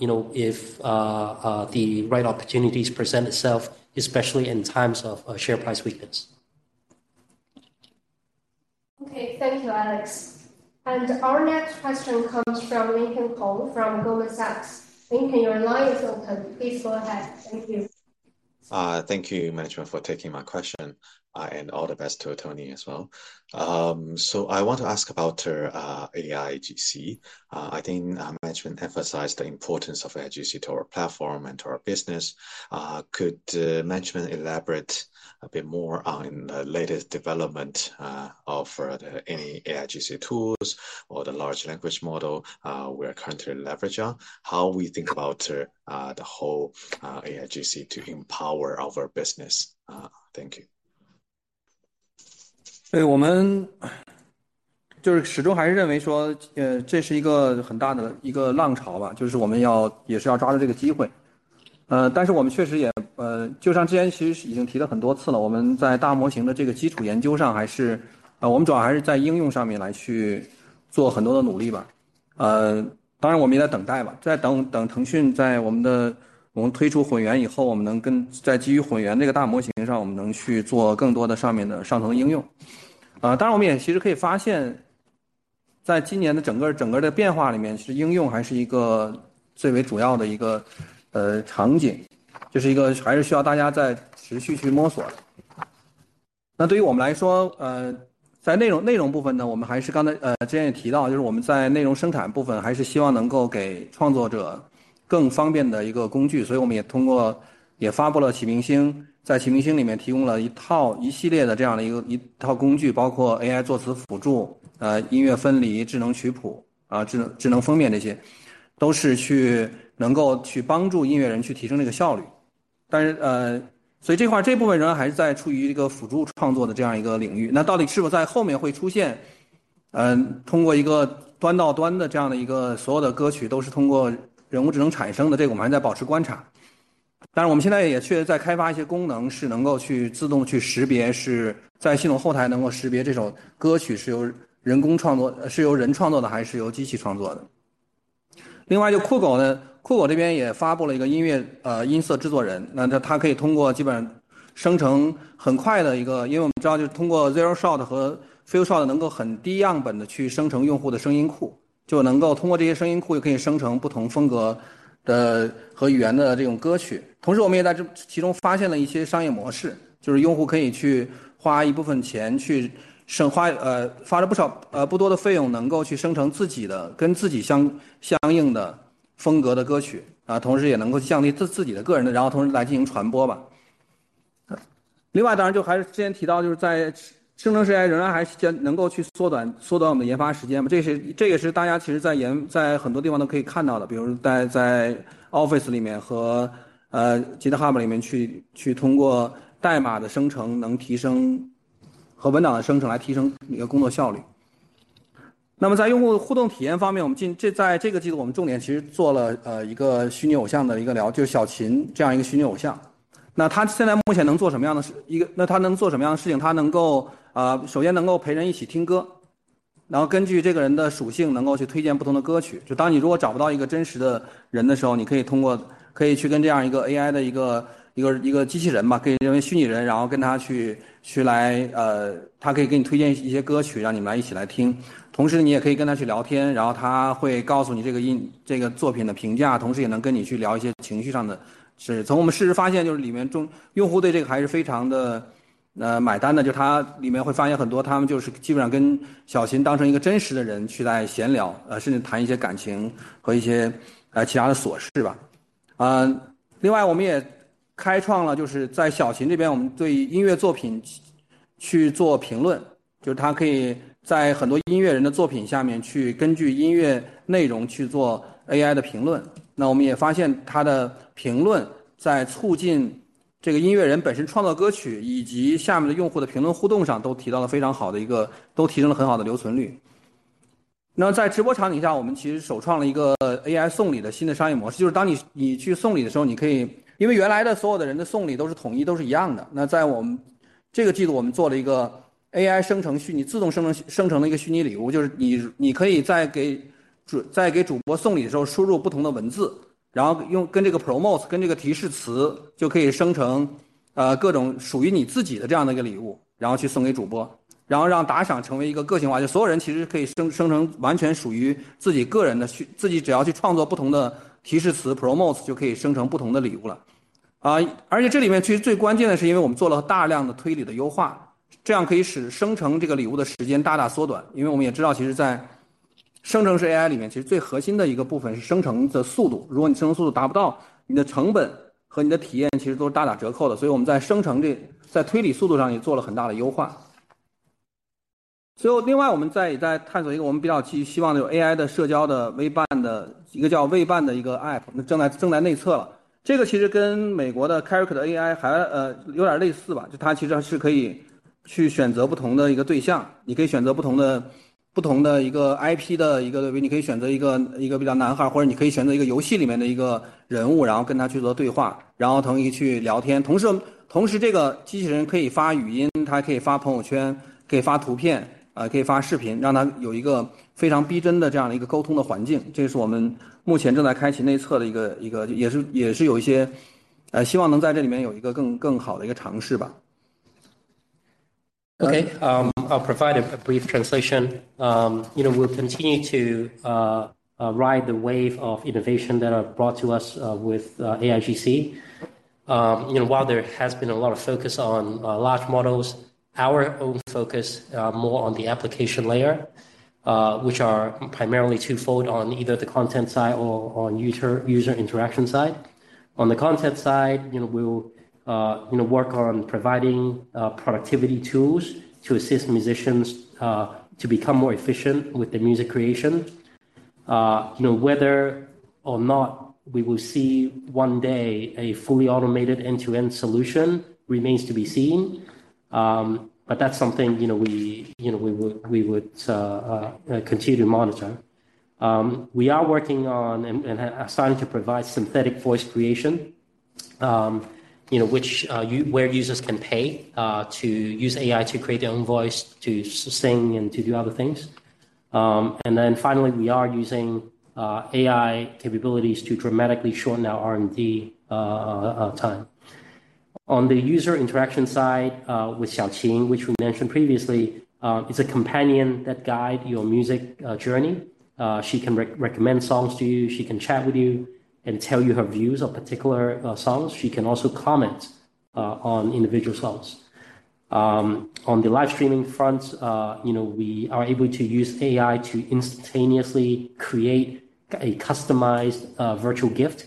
You know, if the right opportunities present itself, especially in times of share price weakness. Okay, thank you, Alex. Our next question comes from Lincoln Kong from Goldman Sachs. Lincoln, your line is open. Please go ahead. Thank you! Thank you management for taking my question, and all the best to Tony as well. I want to ask about your AIGC. I think management emphasized the importance of AIGC to our platform and to our business. Could management elaborate a bit more on the latest development of the any AIGC tools or the large language model we are currently leverage on? How we think about the whole AIGC to empower our business? Thank you. 对， 我 们， 就是始终还是认为 说， 呃， 这是一个很大的一个浪潮 吧， 就是我们要也是要抓住这个机会。呃， 但是我们确实 也， 呃， 就像之前其实已经提了很多次 了， 我们在大模型的这个基础研究 上， 还 是， 呃， 我们主要还是在应用上面来去做很多的努力吧。呃， 当然我们也也在等待 吧， 在等等腾讯在我们的我们推出混元以 后， 我们能跟在基于混元这个大模型 上， 我们能去做更多的上面的上层应用。呃， 当然我们也其实可以发 现， 在今年的整个整个的变化里 面， 其实应用还是一个最为主要的一 个， 呃， 场 景， 就是一个还是需要大家再持续去摸索。那对于我们来 说， 呃， 在内容内容部分 呢， 我们还是刚 才， 呃， 之前也提 到， 就是我们在内容生产部分还是希望能够给创作者更方便的一个工 具， 所以我们也通过也发布了奇明 星， 在奇明星里面提供了一套一系列的这样的一个一套工 具， 包括 AI 作词辅 助， 呃， 音乐分离、智能曲 谱， 啊， 智能智能封 面， 这些都是去能够去帮助音乐人去提升这个效率。但 是， 呃， 所以这块这部分仍然还是在处于一个辅助创作的这样一个领 域， 那到底是否在后面会出 现， 呃， 通过一个端到端的这样的一个所有的歌曲都是通过人工智能产生 的， 这个我们还在保持观察。当然我们现在也确实在开发一些功 能， 是能够去自动去识 别， 是在系统后台能够识别这首歌曲是由人工创 作， 呃， 是由人创作的还是由机器创作的。另外一个酷狗 呢， 酷狗这边也发布了一个音 乐， 呃， 音色制作 人， 那它可以通过基本生成很快的一 个， 因为我们知道就是通过 zero shot 和 few shot 能够很低样本的去生成用户的声音库，就能够通过这些声音库可以生成不同风格的和语言的这种歌曲。同时我们也在这其中发现了一些商业模 式， 就是用户可以去花一部分 钱， 去省 花， 呃， 花了不 少， 呃， 不多的费 用， 能够去生成自己的跟自己相相应的风格的歌 曲， 啊， 同时也能够降低自自己的个人 的， 然后同时来进行传播吧。呃， 另外当然就还是之前提 到， 就是在生成式 AI 仍然还能够去缩 短， 缩短我们的研发时 间， 这也 是， 这个也是大家其实在研在很多地方都可以看到 的， 比如在在 Office 里面 和， 呃 ，GitHub 里面 去， 去通过代码的生成能提升和文档的生 成， 来提升一个工作效率。那么在用户互动体验方 面， 我们 近， 这， 在这个季 度， 我们重点其实做 了， 呃， 一个虚拟偶像的一个 聊， 就是小琴这样一个虚拟偶 像， 那她现在目前能做什么样的 事， 一 个， 那她能做什么样的事 情？ 她能够， 呃， 首先能够陪人一起听 歌， 然后根据这个人的属性能够去推荐不同的歌 曲， 就当你如果找不到一个真实的人的时 候， 你可以通过可以去跟这样一个 AI 的一 个， 一 个， 一个机器人 吧， 可以认为虚拟 人， 然后跟他 去， 去 来， 呃， 他可以给你推荐一些歌 曲， 让你们来一起来 听， 同时你也可以跟他去聊 天， 然后他会告诉你这个 音， 这个作品的评 价， 同时也能跟你去聊一些情绪上的事。从我们事实发 现， 就是里面中用户对这个还是非常 的...... 呃， 买单 呢， 就它里面会发现很 多， 他们就是基本上跟小琴当成一个真实的人去在闲 聊， 呃， 甚至谈一些感情和一 些， 呃， 其他的琐事吧。呃， 另外我们也开创 了， 就是在小琴这 边， 我们对音乐作品去做评 论， 就是她可以在很多音乐人的作品下面去根据音乐内容去做 AI 的评论。那我们也发现她的评论在促进这个音乐人本身创造歌 曲， 以及下面的用户的评论互动上都提到了非常好的一个——都提升了很好的留存率。那么在直播场景 下， 我们其实首创了一个 AI 送礼的新的商业模 式， 就是当你-你去送礼的时 候， 你可以——因为原来的所有的人的送礼都是统 一， 都是一样的。那在我们这个季 度， 我们做了一个 AI 生成 虚， 你自动生 成， 生成了一个虚拟礼 物， 就是 你， 你可以在给 主， 在给主播送礼的时候输入不同的文字，然后用跟这个 promote， 跟这个提示 词， 就可以生 成， 呃， 各种属于你自己的这样的一个礼 物， 然后去送给主 播， 然后让打赏成为一个个性化。就所有人其实可以生-生成完全属于自己个人的虚——自己只要去创作不同的提示 词， promote 就可以生成不同的礼物了。啊， 而且这里面其实最关键的是因为我们做了大量的推理的优 化， 这样可以使生成这个礼物的时间大大缩短。因为我们也知 道， 其实在生成式 AI 里 面， 其实最核心的一个部分是生成的速 度， 如果你生成速度达不 到， 你的成本和你的体验其实都是大打折扣的。所以我们在生成 的， 在推理速度上也做了很大的优化。所以另外我们在也在探索一个我们比较 寄， 希望有 AI 的社交的 WeBan 伴 的， 一个叫 WeBan 伴的一个 app， 那正 在， 正在内测了。这个其实跟美国的 Character AI 还， 呃， 有点类似 吧， 就它其实还是可以去选择不同的一个对 象， 你可以选择不同的，不同的一个 IP 的一 个， 你可以选择一 个， 一个比较男 孩， 或者你可以选择一个游戏里面的一个人 物， 然后跟他去做对 话， 然后同一个去聊天。同 时， 同时这个机器人可以发语 音， 它还可以发朋友 圈， 可以发图 片， 呃， 可以发视 频， 让它有一个非常逼真的这样的一个沟通的环境。这是我们目前正在开启内测的一 个， 一 个， 也 是， 也是有一 些， 呃， 希望能在这里面有一个 更， 更好的一个尝试吧。Okay, I'll provide a brief translation. You know, we'll continue to ride the wave of innovation that are brought to us with AIGC. You know, while there has been a lot of focus on large models, our own focus are more on the application layer, which are primarily twofold: on either the content side or on user, user interaction side. On the content side, you know, we will, you know, work on providing productivity tools to assist musicians to become more efficient with the music creation. You know, whether or not we will see one day a fully automated end-to-end solution remains to be seen, but that's something, you know, we, you know, we would, we would continue to monitor. We are working on and are starting to provide synthetic voice creation, you know, which where users can pay to use AI to create their own voice, to sing and to do other things. Finally, we are using AI capabilities to dramatically shorten our R&D time. On the user interaction side, with Xiaoqin, which we mentioned previously, it's a companion that guide your music journey. She can re-recommend songs to you, she can chat with you and tell you her views on particular songs. She can also comment on individual songs. On the live streaming front, you know, we are able to use AI to instantaneously create a customized, virtual gift,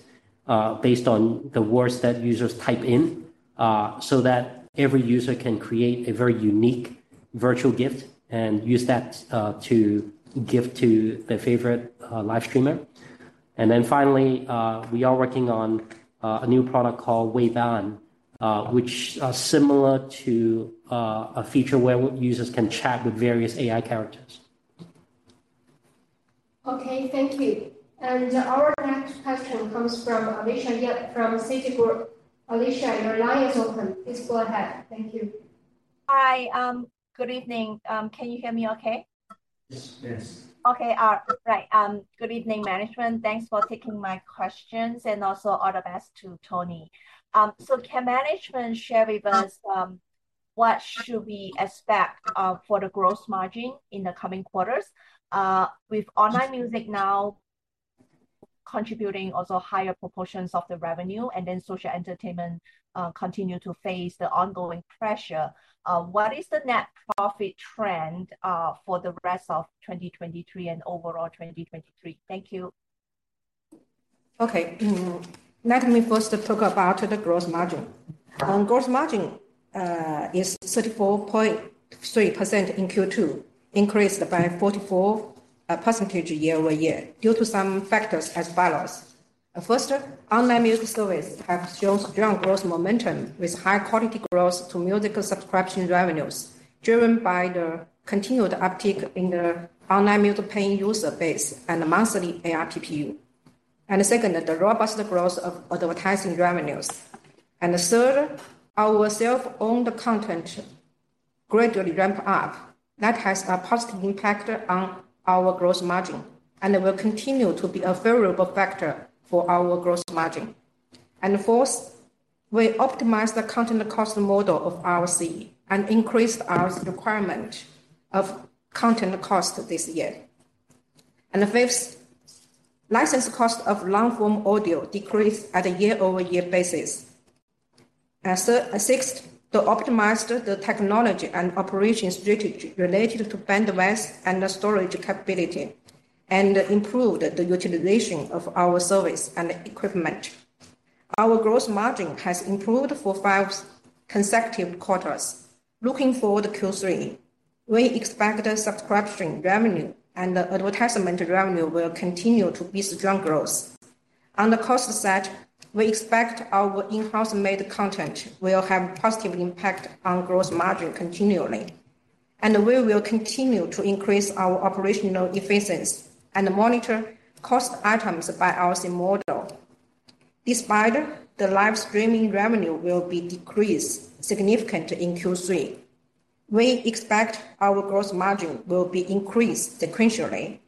based on the words that users type in, so that every user can create a very unique virtual gift and use that, to give to their favorite, live streamer. Then finally, we are working on, a new product called WeBan, which are similar to, a feature where users can chat with various AI characters. Okay, thank you. Our next question comes from Alicia Yap, from Citigroup. Alicia, your line is open. Please go ahead. Thank you. Hi, good evening. Can you hear me okay? Yes. Yes. Okay, right. Good evening, management. Thanks for taking my questions, and also all the best to Tony. Can management share with us what should we expect for the gross margin in the coming quarters? With online music now contributing also higher proportions of the revenue, and then social entertainment continue to face the ongoing pressure, what is the net profit trend for the rest of 2023 and overall 2023? Thank you. Okay. Let me first talk about the gross margin. Gross margin is 34.3% in Q2, increased by 44% year-over-year, due to some factors as follows. First, online music service have shown strong growth momentum, with high-quality growth to musical subscription revenues, driven by the continued uptick in the online music paying user base and monthly ARPU. Second, the robust growth of advertising revenues. Third, our self-owned content gradually ramp up. That has a positive impact on our gross margin, and it will continue to be a favorable factor for our gross margin. Fourth, we optimize the content cost model of RS and increased our requirement of content cost this year. The fifth, license cost of long-form audio decreased at a year-over-year basis. The sixth, to optimize the technology and operation strategy related to bandwidth and storage capability, and improve the utilization of our service and equipment. Our gross margin has improved for five consecutive quarters. Looking forward to Q3, we expect the subscription revenue and the advertisement revenue will continue to be strong growth. On the cost side, we expect our in-house made content will have positive impact on gross margin continually, and we will continue to increase our operational efficiency and monitor cost items by our model. Despite the live streaming revenue will be decreased significant in Q3, we expect our gross margin will be increased sequentially,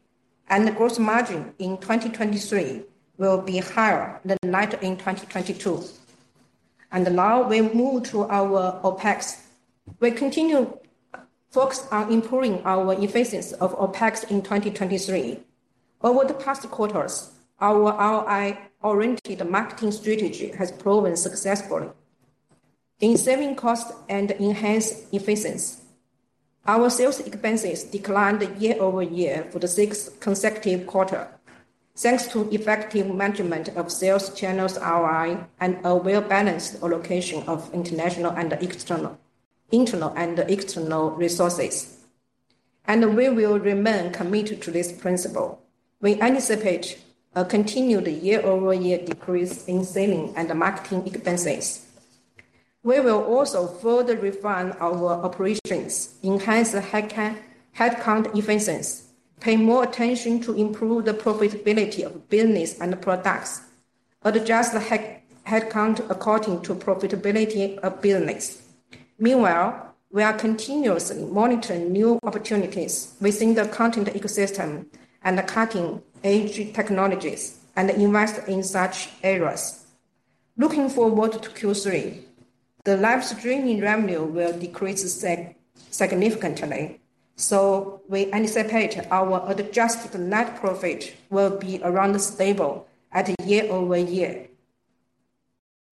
and the gross margin in 2023 will be higher than that in 2022. Now we move to our OpEx. We continue focused on improving our efficiency of OpEx in 2023. Over the past quarters, our ROI-oriented marketing strategy has proven successful in saving costs and enhance efficiency. Our sales expenses declined year-over-year for the sixth consecutive quarter, thanks to effective management of sales channels ROI and a well-balanced allocation of internal and external resources. We will remain committed to this principle. We anticipate a continued year-over-year decrease in selling and marketing expenses. We will also further refine our operations, enhance the headcount efficiency, pay more attention to improve the profitability of business and products, adjust headcount according to profitability of business. Meanwhile, we are continuously monitoring new opportunities within the content ecosystem and cutting-edge technologies, and invest in such areas. Looking forward to Q3, the live streaming revenue will decrease significantly, so we anticipate our adjusted net profit will be around stable at year-over-year,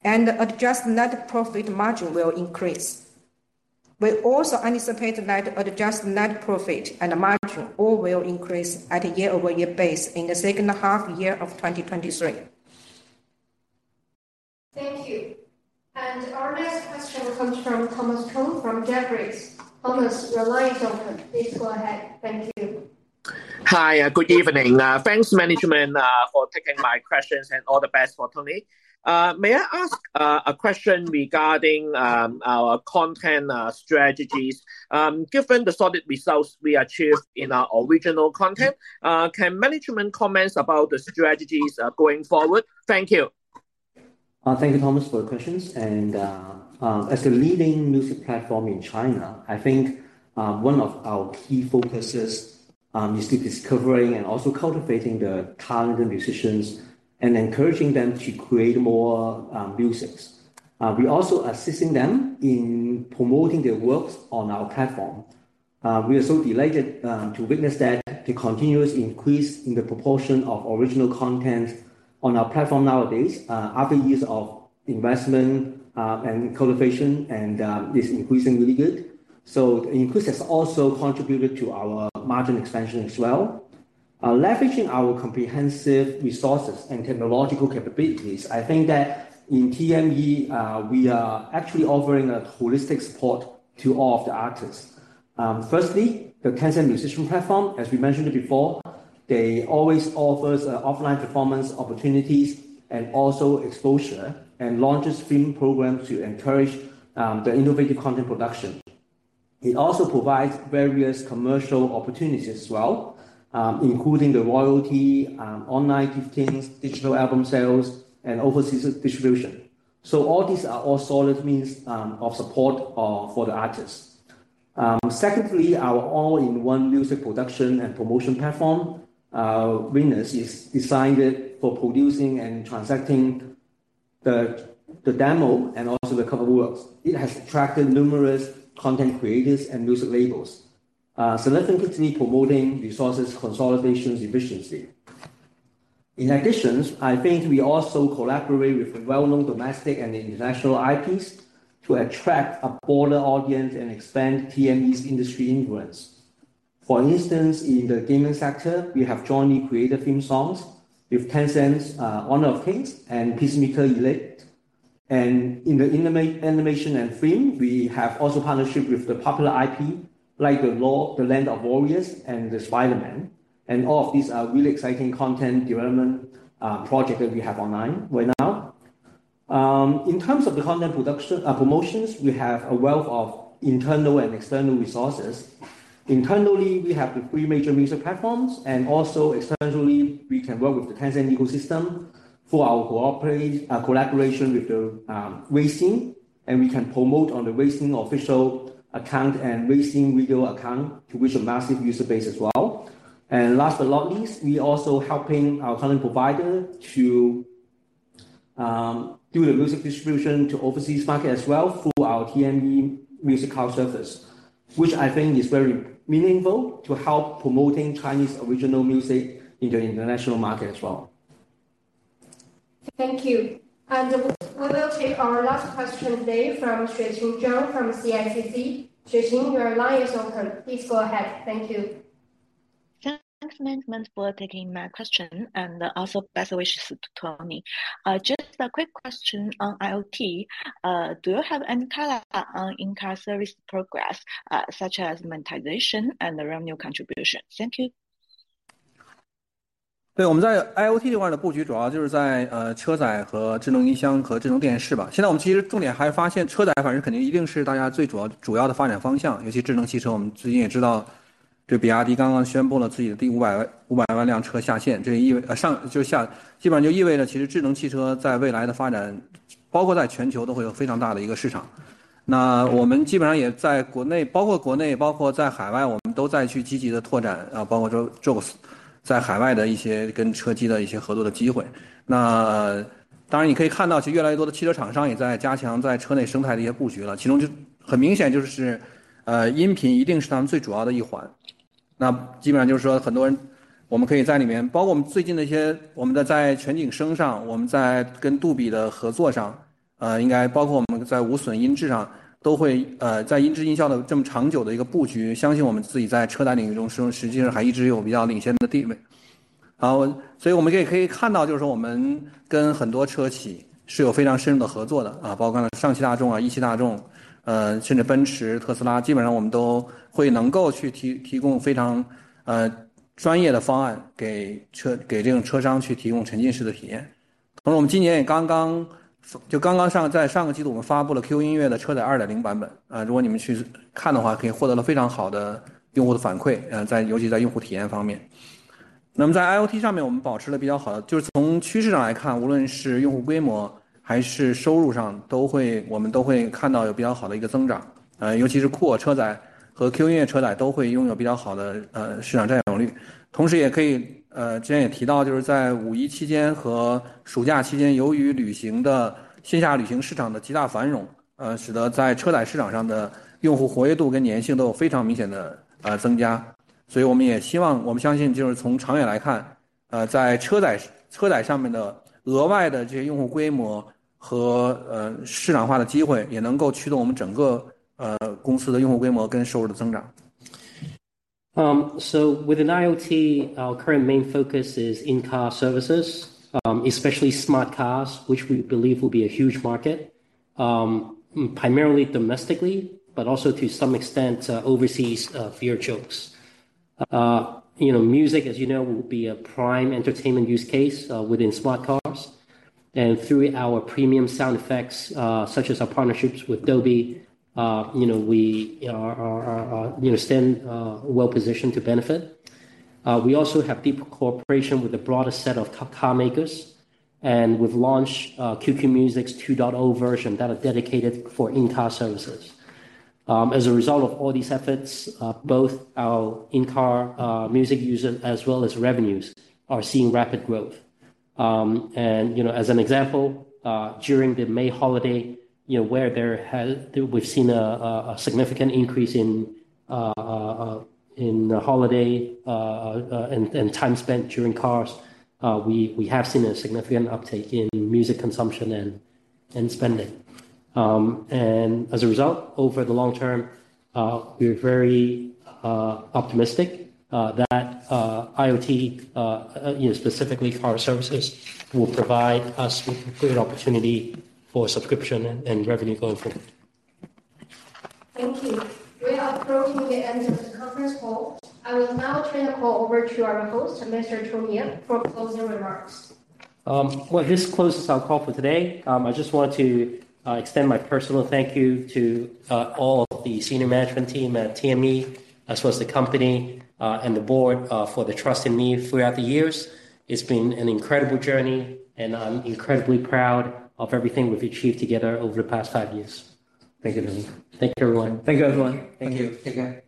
and adjusted net profit margin will increase. We also anticipate that adjusted net profit and margin all will increase at a year-over-year base in the second half year of 2023. Thank you. Our next question comes from Thomas Chong from Jefferies. Thomas, your line is open. Please go ahead. Thank you. Hi, good evening. Thanks, management, for taking my questions, and all the best for Tony. May I ask a question regarding our content strategies? Given the solid results we achieved in our original content, can management comment about the strategies going forward? Thank you. Thank you, Thomas, for the questions. As the leading music platform in China, I think one of our key focuses is discovering and also cultivating the talented musicians and encouraging them to create more musics. We also assisting them in promoting their works on our platform. We are so delighted to witness that the continuous increase in the proportion of original content on our platform nowadays, after years of investment and cultivation, and is increasingly good. The increase has also contributed to our margin expansion as well. Leveraging our comprehensive resources and technological capabilities, I think that in TME, we are actually offering a holistic support to all of the artists. Firstly, the Tencent Musician Platform, as we mentioned before, they always offers offline performance opportunities and also exposure, and launches film programs to encourage the innovative content production. It also provides various commercial opportunities as well, including the royalty, online giftings, digital album sales, and overseas distribution. All these are all solid means of support for the artists. Secondly, our all-in-one music production and promotion platform, Venus, is designed for producing and transacting the, the demo and also the cover works. It has attracted numerous content creators and music labels, so letting continue promoting resources consolidation efficiency. In addition, I think we also collaborate with the well-known domestic and international IPs to attract a broader audience and expand TME's industry influence. For instance, in the gaming sector, we have jointly created theme songs with Tencent's Honor of Kings and Peacekeeper Elite. In the animation and film, we have also partnership with the popular IP, like L.O.R.D, the Land of Warriors, and the Spider-Man. All of these are really exciting content development project that we have online right now. In terms of the content production promotions, we have a wealth of internal and external resources. Internally, we have the three major music platforms, and also externally, we can work with the Tencent ecosystem for our corporate collaboration with the Weixin, and we can prompt on the Weixin official account and Weixin video account, to which a massive user base as well. Last but not least, we also helping our content provider to- -do the music distribution to overseas market as well through our TME Music Cloud service, which I think is very meaningful to help promoting Chinese original music in the international market as well. Thank you. We will take our last question today from Xueqing Zhang from CICC. Xueqing, your line is open. Please go ahead. Thank you. Thanks management for taking my question, and also best wishes to Tony. Just a quick question on IoT. Do you have any color on in-car service progress, such as monetization and the revenue contribution? Thank you. 对， 我们在 IoT 这块的布 局， 主要就是在 呃， 车载和智能音箱和智能电视吧。现在我们其实重点还发 现， 车载反正肯定一定是大家最主 要， 主要的发展方 向， 尤其智能汽 车， 我们最近也知 道， 这比亚迪刚刚宣布了自己的第五 百， 五百万辆车下 线， 这意 味... 呃， 上， 就 下， 基本上就意味 着， 其实智能汽车在未来的发 展， 包括在全球都会有非常大的一个市场。那我们基本上也在国 内， 包括国 内， 包括在海 外， 我们都在去积极地拓 展， 呃， 包括说 JOOX 在海外的一些跟车机的一些合作的机会。那当然你可以看 到， 其实越来越多的汽车厂商也在加强在车内生态的一些布局 了， 其中就很明显就 是， 呃， 音频一定是他们最主要的一环。那基本上就是说很多人我们可以在里 面， 包括我们最近的一些我们的在全景声 上， 我们在跟杜比的合作 上， 呃， 应该包括我们在无损音质上，都 会， 呃， 在音质音效的这么长久的一个布 局， 相信我们自己在车载领域 中， 实际上还一直有比较领先的地位。好， 所以我们也可以看 到， 就是说我们跟很多车企是有非常深入的合作 的， 啊， 包括像上汽大众 啊， 一汽大 众， 呃， 甚至奔驰、特斯 拉， 基本上我们都会能够去 提， 提供非 常， 呃， 专业的方 案， 给 车， 给这些车商去提供沉浸式的体验。同时我们今年也刚刚，就刚刚 上， 在上个季度我们发布了 QQ 音乐的车载二点零版 本， 呃， 如果你们去看的 话， 可以获得了非常好的用户的反 馈， 呃， 在尤其在用户体验方面。那么在 IoT 上 面， 我们保持了比较好 的， 就是从趋势上来 看， 无论是用户规模还是收入 上， 都 会， 我们都会看到有比较好的一个增长。呃， 尤其是 Kuwo 车载和 QQ 音乐车载都会拥有比较好 的， 呃， 市场占有率。同时也可以， 呃， 之前也提 到， 就是在五一期间和暑假期 间， 由于旅行的线下旅行市场的极大繁 荣， 呃， 使得在车载市场上的用户活跃度跟粘性都有非常明显 的， 呃， 增加。所以我们也希 望， 我们相 信， 就是从长远来 看， 呃， 在车 载， 车载上面的额外的这些用户规模 和， 呃， 市场化的机 会， 也能够驱动我们整 个， 呃， 公司的用户规模跟收入的增长。Within IoT, our current main focus is in-car services, especially smart cars, which we believe will be a huge market, primarily domestically, but also to some extent, overseas, via JOOX. You know, music, as you know, will be a prime entertainment use case, within smart cars. Through our premium sound effects, such as our partnerships with Dolby, you know, we stand well-positioned to benefit. We also have deeper cooperation with a broader set of car makers, and we've launched QQ Music's 2.0 version that are dedicated for in-car services. As a result of all these efforts, both our in-car, music user as well as revenues are seeing rapid growth. You know, as an example, during the May holiday, you know, where we've seen a significant increase in holiday and time spent during cars. We have seen a significant uptake in music consumption and spending. As a result, over the long term, we are very optimistic that IoT, you know, specifically car services, will provide us with a great opportunity for subscription and revenue going forward. Thank you. We are approaching the end of this conference call. I will now turn the call over to our host, Mr. Tony Yip, for closing remarks. Well, this closes our call for today. I just want to extend my personal thank you to all of the senior management team at TME, as well as the company and the board for the trust in me throughout the years. It's been an incredible journey, and I'm incredibly proud of everything we've achieved together over the past five years. Thank you, everyone. Thank you, everyone. Thank you, everyone. Thank you. Take care.